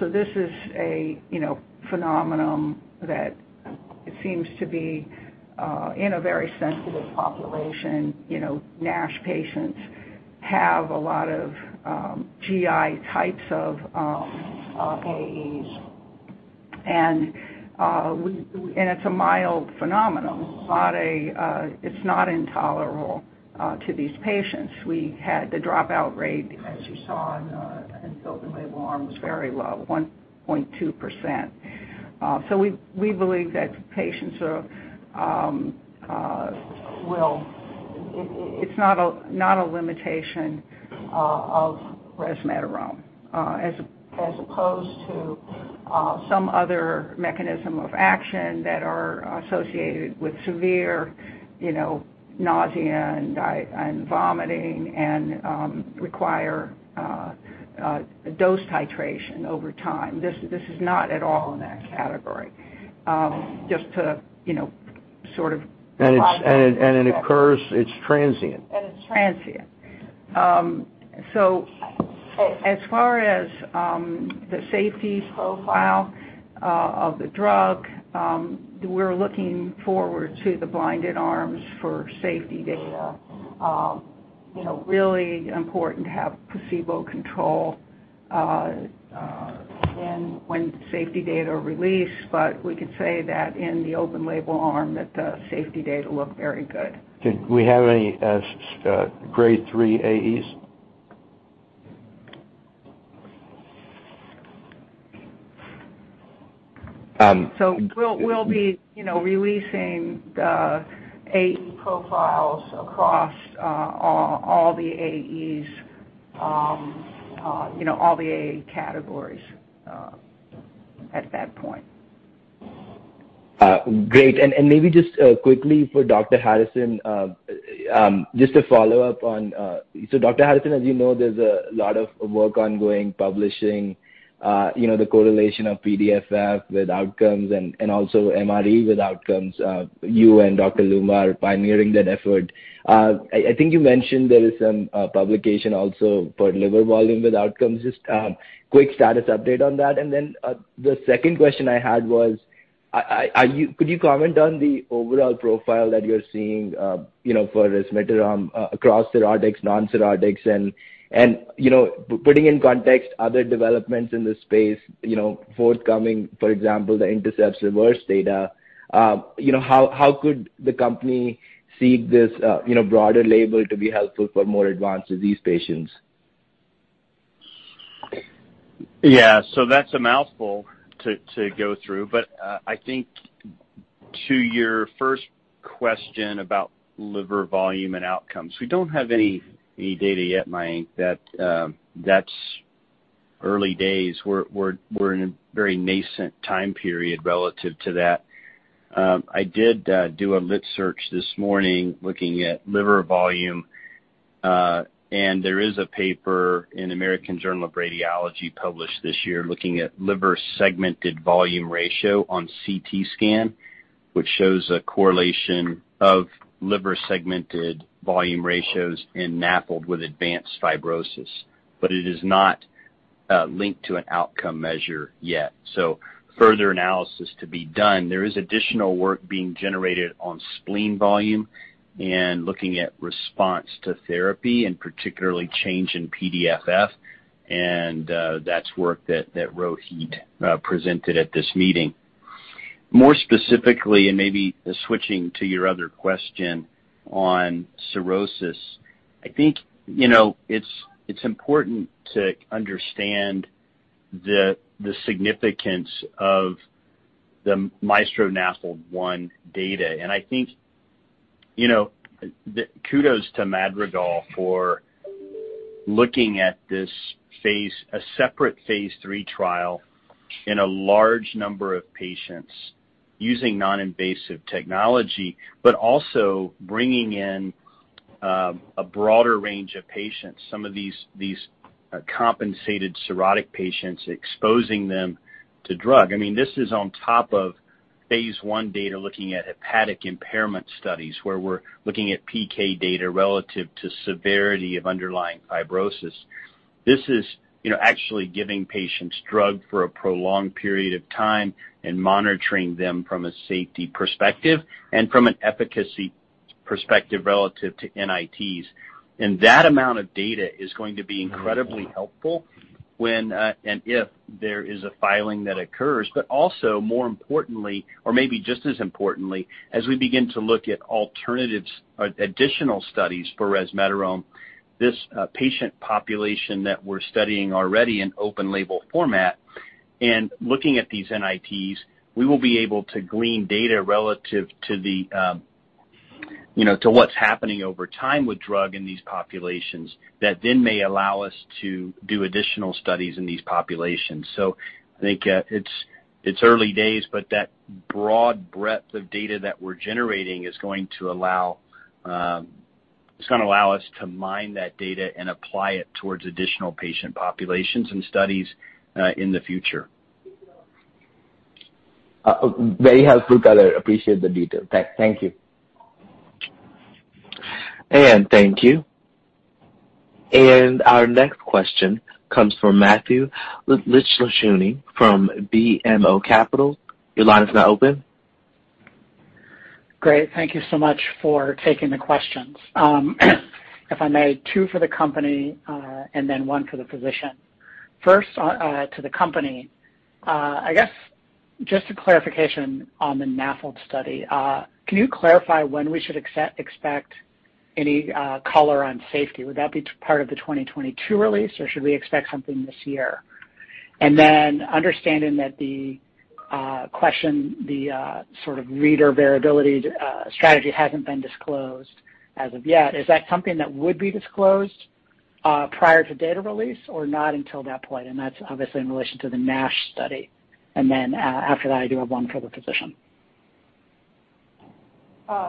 This is a, you know, phenomenon that it seems to be in a very sensitive population. You know, NASH patients have a lot of GI types of AEs. It's a mild phenomenon, not a, it's not intolerable to these patients. We had the dropout rate, as you saw in the open-label arm, was very low, 1.2%. We believe that patients are well, it's not a limitation of resmetirom as opposed to some other mechanism of action that are associated with severe, you know, nausea and vomiting and require dose titration over time. This is not at all in that category. Just to, you know, sort of It occurs. It's transient. It's transient. As far as the safety profile of the drug, we're looking forward to the blinded arms for safety data. You know, it's really important to have placebo control when safety data are released. We can say that in the open label arm that the safety data look very good. Did we have any grade 3 AEs? We'll be, you know, releasing the AE profiles across all the AEs, you know, all the AE categories, at that point. Great. Maybe just quickly for Dr. Harrison, just to follow up on. Dr. Harrison, as you know, there's a lot of work ongoing publishing, you know, the correlation of PDFF with outcomes and also MRE with outcomes. You and Dr. Loomba are pioneering that effort. I think you mentioned there is some publication also for liver volume with outcomes. Just quick status update on that. Then the second question I had was, could you comment on the overall profile that you're seeing, you know, for resmetirom across cirrhotics, non-cirrhotics? Putting in context other developments in the space, you know, forthcoming, for example, the Intercept's REVERSE data, you know, how could the company see this broader label to be helpful for more advanced disease patients? Yeah. That's a mouthful to go through. I think to your first question about liver volume and outcomes, we don't have any data yet, Mayank. That's early days. We're in a very nascent time period relative to that. I did a lit search this morning looking at liver volume. There is a paper in American Journal of Roentgenology published this year looking at liver segmented volume ratio on CT scan, which shows a correlation of liver segmented volume ratios in NAFLD with advanced fibrosis. But it is not linked to an outcome measure yet. Further analysis to be done. There is additional work being generated on spleen volume and looking at response to therapy and particularly change in PDFF, and that's work that Rohit presented at this meeting. More specifically, and maybe switching to your other question on cirrhosis. I think, you know, it's important to understand the significance of the MAESTRO-NAFLD-1 data. I think, you know, kudos to Madrigal for looking at this phase, a separate phase III trial in a large number of patients using non-invasive technology, but also bringing in a broader range of patients, some of these compensated cirrhotic patients, exposing them to drug. I mean, this is on top of phase I data, looking at hepatic impairment studies where we're looking at PK data relative to severity of underlying fibrosis. This is, you know, actually giving patients drug for a prolonged period of time and monitoring them from a safety perspective and from an efficacy perspective relative to NITs. That amount of data is going to be incredibly helpful when and if there is a filing that occurs. But also more importantly or maybe just as importantly, as we begin to look at alternatives or additional studies for resmetirom, this patient population that we're studying already in open label format and looking at these NITs, we will be able to glean data relative to the you know to what's happening over time with drug in these populations that then may allow us to do additional studies in these populations. I think it's early days, but that broad breadth of data that we're generating is going to allow us to mine that data and apply it towards additional patient populations and studies in the future. Very helpful, color. Appreciate the detail. Thank you. Thank you. Our next question comes from Matthew Luchini from BMO Capital. Your line is now open. Great. Thank you so much for taking the questions. If I may, two for the company, and then one for the physician. First, to the company, I guess just a clarification on the NAFLD study. Can you clarify when we should expect any color on safety? Would that be part of the 2022 release, or should we expect something this year? Understanding that the sort of reader variability strategy hasn't been disclosed as of yet, is that something that would be disclosed prior to data release or not until that point? That's obviously in relation to the NASH study. After that, I do have one for the physician.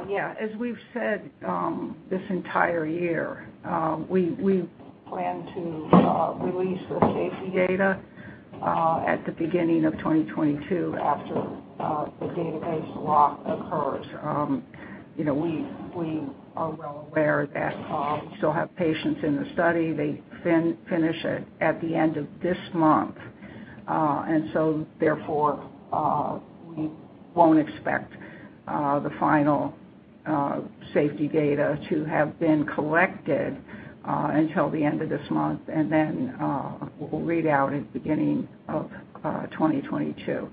Yeah. As we've said, this entire year, we plan to release the safety data at the beginning of 2022 after the database lock occurs. You know, we are well aware that we still have patients in the study. They finish it at the end of this month. Therefore, we won't expect the final safety data to have been collected until the end of this month. Then, we'll read out at beginning of 2022.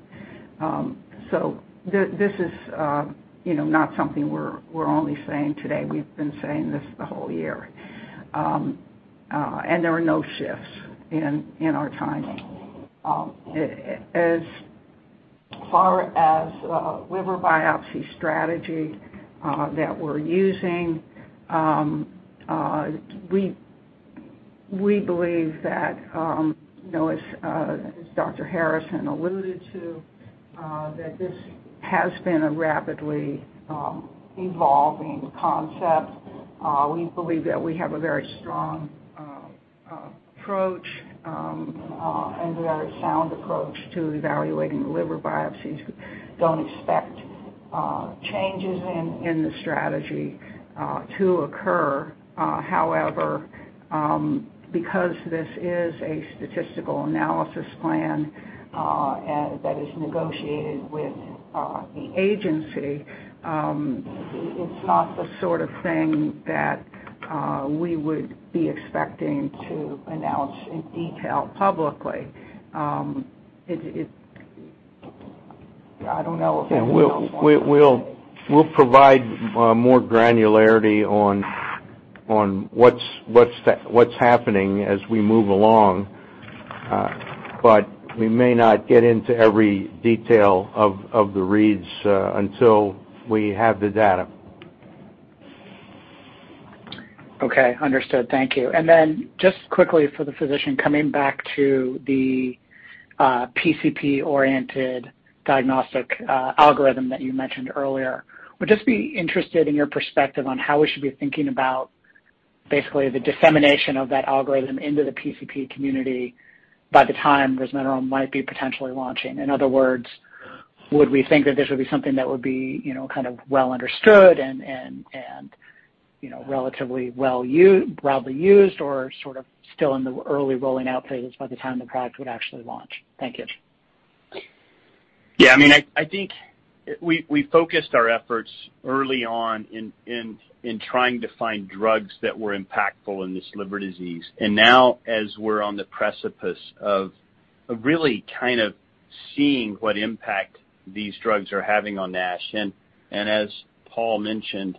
This is, you know, not something we're only saying today. We've been saying this the whole year. There are no shifts in our timing. As far as liver biopsy strategy that we're using, we believe that, you know, as Dr. Harrison alluded to, that this has been a rapidly evolving concept. We believe that we have a very strong approach and very sound approach to evaluating the liver biopsies. We don't expect changes in the strategy to occur. However, because this is a statistical analysis plan that is negotiated with the agency, it's not the sort of thing that we would be expecting to announce in detail publicly. I don't know if there's anything else. We'll provide more granularity on what's happening as we move along. But we may not get into every detail of the reads until we have the data. Okay. Understood. Thank you. Just quickly for the physician coming back to the, PCP-oriented diagnostic, algorithm that you mentioned earlier. Would just be interested in your perspective on how we should be thinking about basically the dissemination of that algorithm into the PCP community by the time resmetirom might be potentially launching. In other words, would we think that this would be something that would be, you know, kind of well understood and. You know, relatively well used, broadly used or sort of still in the early rolling out phase by the time the product would actually launch? Thank you. Yeah. I mean, I think we focused our efforts early on in trying to find drugs that were impactful in this liver disease. Now as we're on the precipice of really kind of seeing what impact these drugs are having on NASH, and as Paul mentioned,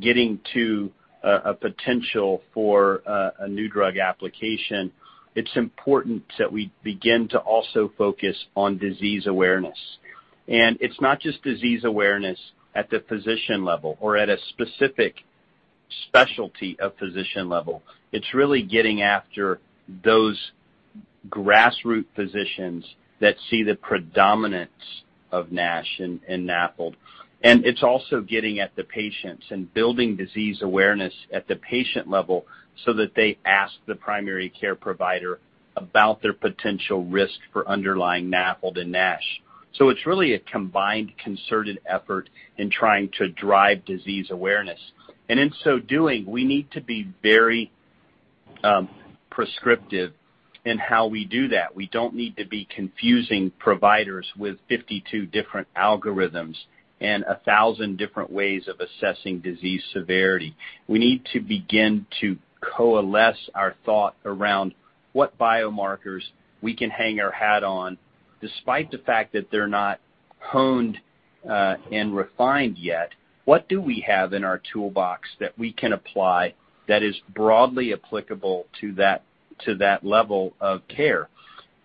getting to a potential for a new drug application, it's important that we begin to also focus on disease awareness. It's not just disease awareness at the physician level or at a specific specialty of physician level. It's really getting after those grassroots physicians that see the predominance of NASH and NAFLD. It's also getting at the patients and building disease awareness at the patient level so that they ask the primary care provider about their potential risk for underlying NAFLD and NASH. It's really a combined concerted effort in trying to drive disease awareness. In so doing, we need to be very prescriptive in how we do that. We don't need to be confusing providers with 52 different algorithms and a thousand different ways of assessing disease severity. We need to begin to coalesce our thought around what biomarkers we can hang our hat on despite the fact that they're not honed and refined yet. What do we have in our toolbox that we can apply that is broadly applicable to that level of care?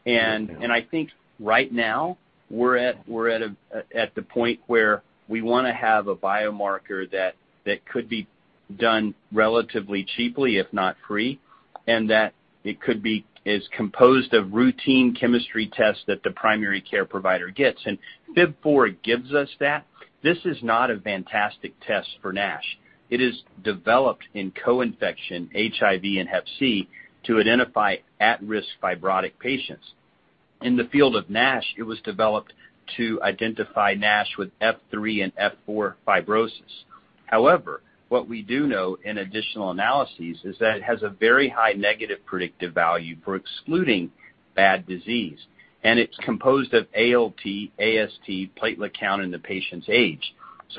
I think right now we're at the point where we wanna have a biomarker that could be done relatively cheaply, if not free, and that it could be as composed of routine chemistry tests that the primary care provider gets. FIB-4 gives us that. This is not a fantastic test for NASH. It is developed in co-infection HIV and hep C to identify at-risk fibrotic patients. In the field of NASH, it was developed to identify NASH with F3 and F4 fibrosis. However, what we do know in additional analyses is that it has a very high negative predictive value for excluding bad disease, and it's composed of ALT, AST, platelet count, and the patient's age.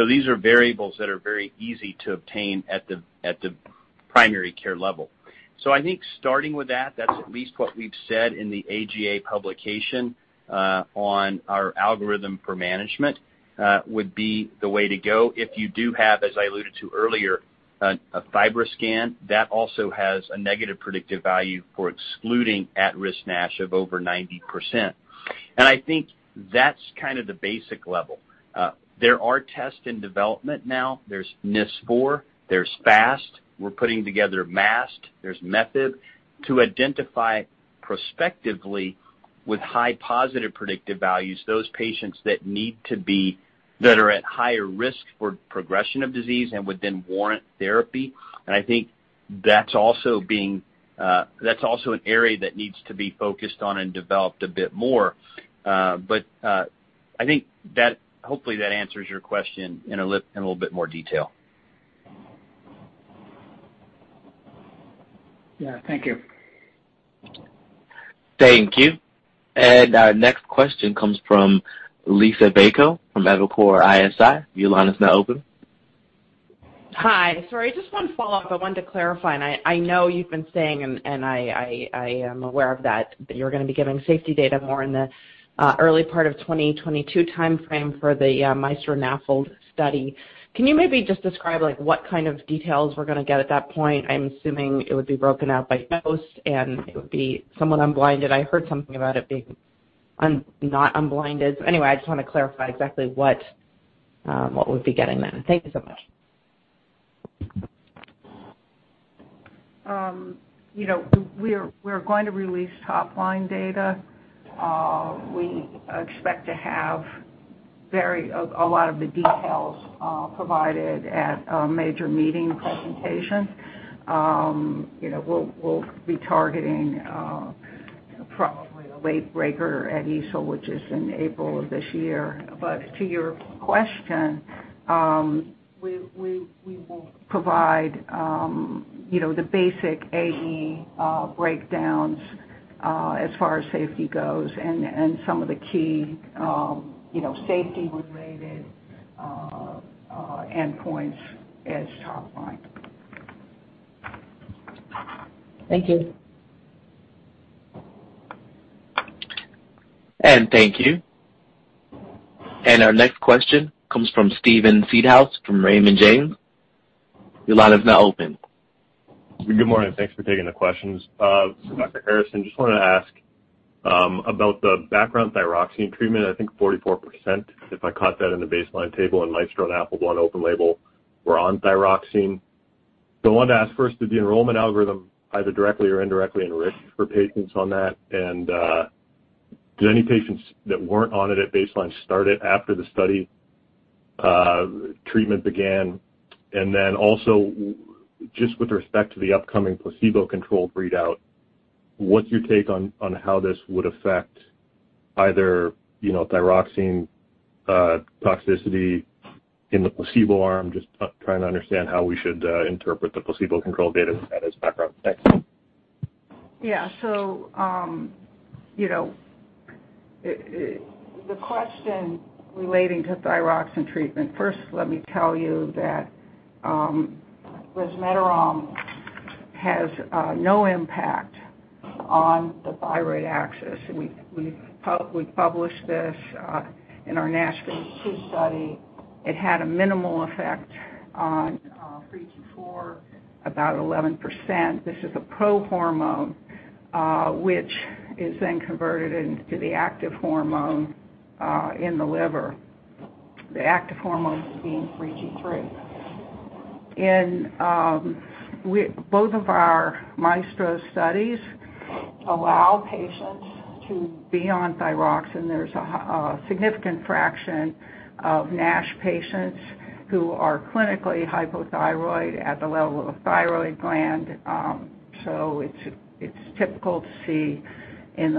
These are variables that are very easy to obtain at the primary care level. I think starting with that's at least what we've said in the AGA publication on our algorithm for management would be the way to go. If you do have, as I alluded to earlier, a FibroScan, that also has a negative predictive value for excluding at-risk NASH of over 90%. I think that's kind of the basic level. There are tests in development now. There's NIS4, there's FAST. We're putting together MAST. There's method to identify prospectively with high positive predictive values, those patients that are at higher risk for progression of disease and would then warrant therapy. I think that's also being, that's also an area that needs to be focused on and developed a bit more. I think that hopefully that answers your question in a little bit more detail. Yeah. Thank you. Thank you. Our next question comes from Liisa Bayko from Evercore ISI. Your line is now open. Hi. Sorry, just one follow-up I wanted to clarify, and I know you've been saying and I am aware of that you're gonna be giving safety data more in the early part of 2022 timeframe for the MAESTRO-NAFLD study. Can you maybe just describe, like, what kind of details we're gonna get at that point? I'm assuming it would be broken out by dose and it would be somewhat unblinded. I heard something about it being not unblinded. So anyway, I just wanna clarify exactly what we'd be getting then. Thank you so much. You know, we're going to release top-line data. We expect to have a lot of the details provided at a major meeting presentation. You know, we'll be targeting probably a late breaker at EASL, which is in April of this year. To your question, we will provide you know, the basic AE breakdowns as far as safety goes and some of the key you know, safety-related endpoints as top line. Thank you. Thank you. Our next question comes from Steven Seedhouse from Raymond James. Your line is now open. Good morning. Thanks for taking the questions. Dr. Harrison, just wanted to ask about the background thyroxine treatment. I think 44%, if I caught that, in the baseline table in MAESTRO-NAFLD-1 open-label were on thyroxine. I wanted to ask first, did the enrollment algorithm either directly or indirectly enrich for patients on that? Did any patients that weren't on it at baseline start it after the study treatment began? Then also just with respect to the upcoming placebo-controlled readout. What's your take on how this would affect either, you know, thyroxine toxicity in the placebo arm? Just trying to understand how we should interpret the placebo-controlled data with that as background. Thanks. You know, the question relating to thyroxine treatment. First, let me tell you that resmetirom has no impact on the thyroid axis. We published this in our NASH phase II study. It had a minimal effect on 3-4, about 11%. This is a pro-hormone which is then converted into the active hormone in the liver, the active hormone being free T3. Both of our MAESTRO studies allow patients to be on thyroxine. There's a significant fraction of NASH patients who are clinically hypothyroid at the level of thyroid gland. It's typical to see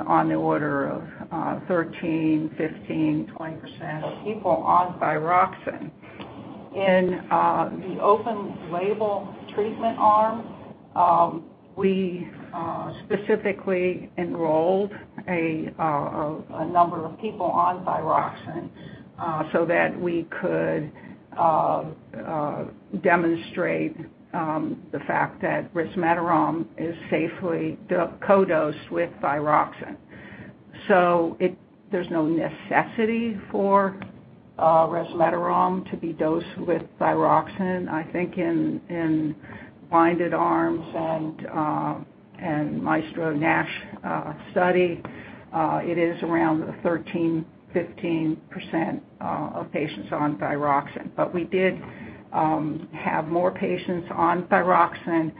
on the order of 13%, 15%, 20% of people on thyroxine. In the open-label treatment arm, we specifically enrolled a number of people on thyroxine so that we could demonstrate the fact that resmetirom is safely co-dosed with thyroxine. There's no necessity for resmetirom to be dosed with thyroxine. I think in blinded arms and MAESTRO-NASH study, it is around 13%-15% of patients on thyroxine. We did have more patients on thyroxine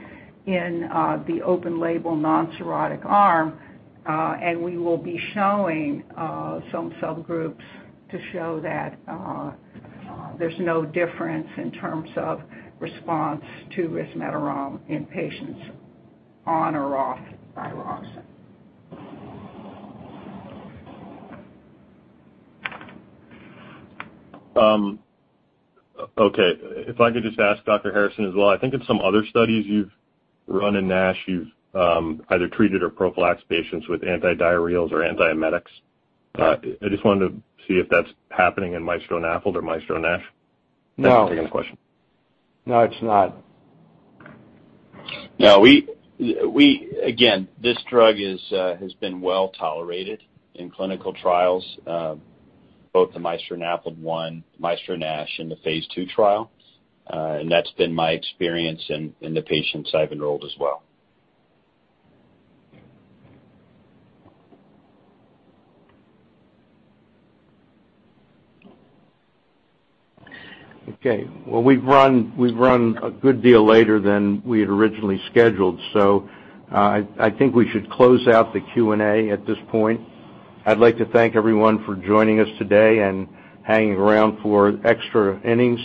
in the open-label non-cirrhotic arm. We will be showing some subgroups to show that there's no difference in terms of response to resmetirom in patients on or off thyroxine. Okay. If I could just ask Dr. Harrison as well. I think in some other studies you've run in NASH, you've either treated or prophylaxed patients with antidiarrheals or antiemetics. I just wanted to see if that's happening in MAESTRO-NAFLD or MAESTRO-NASH. No. That's the end of the question. No, it's not. No, we. Again, this drug has been well-tolerated in clinical trials, both the MAESTRO-NAFLD-1, MAESTRO-NASH, and the phase II trial. That's been my experience in the patients I've enrolled as well. Okay. Well, we've run a good deal later than we had originally scheduled, so I think we should close out the Q&A at this point. I'd like to thank everyone for joining us today and hanging around for extra innings.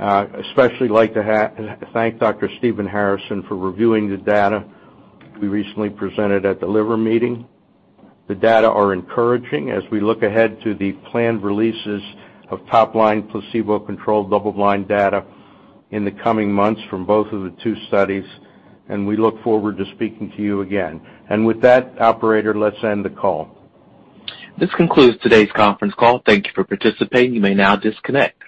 Especially like to thank Dr. Stephen Harrison for reviewing the data we recently presented at the Liver Meeting. The data are encouraging as we look ahead to the planned releases of top-line placebo-controlled double-blind data in the coming months from both of the two studies, and we look forward to speaking to you again. With that, operator, let's end the call. This concludes today's conference call. Thank you for participating. You may now disconnect.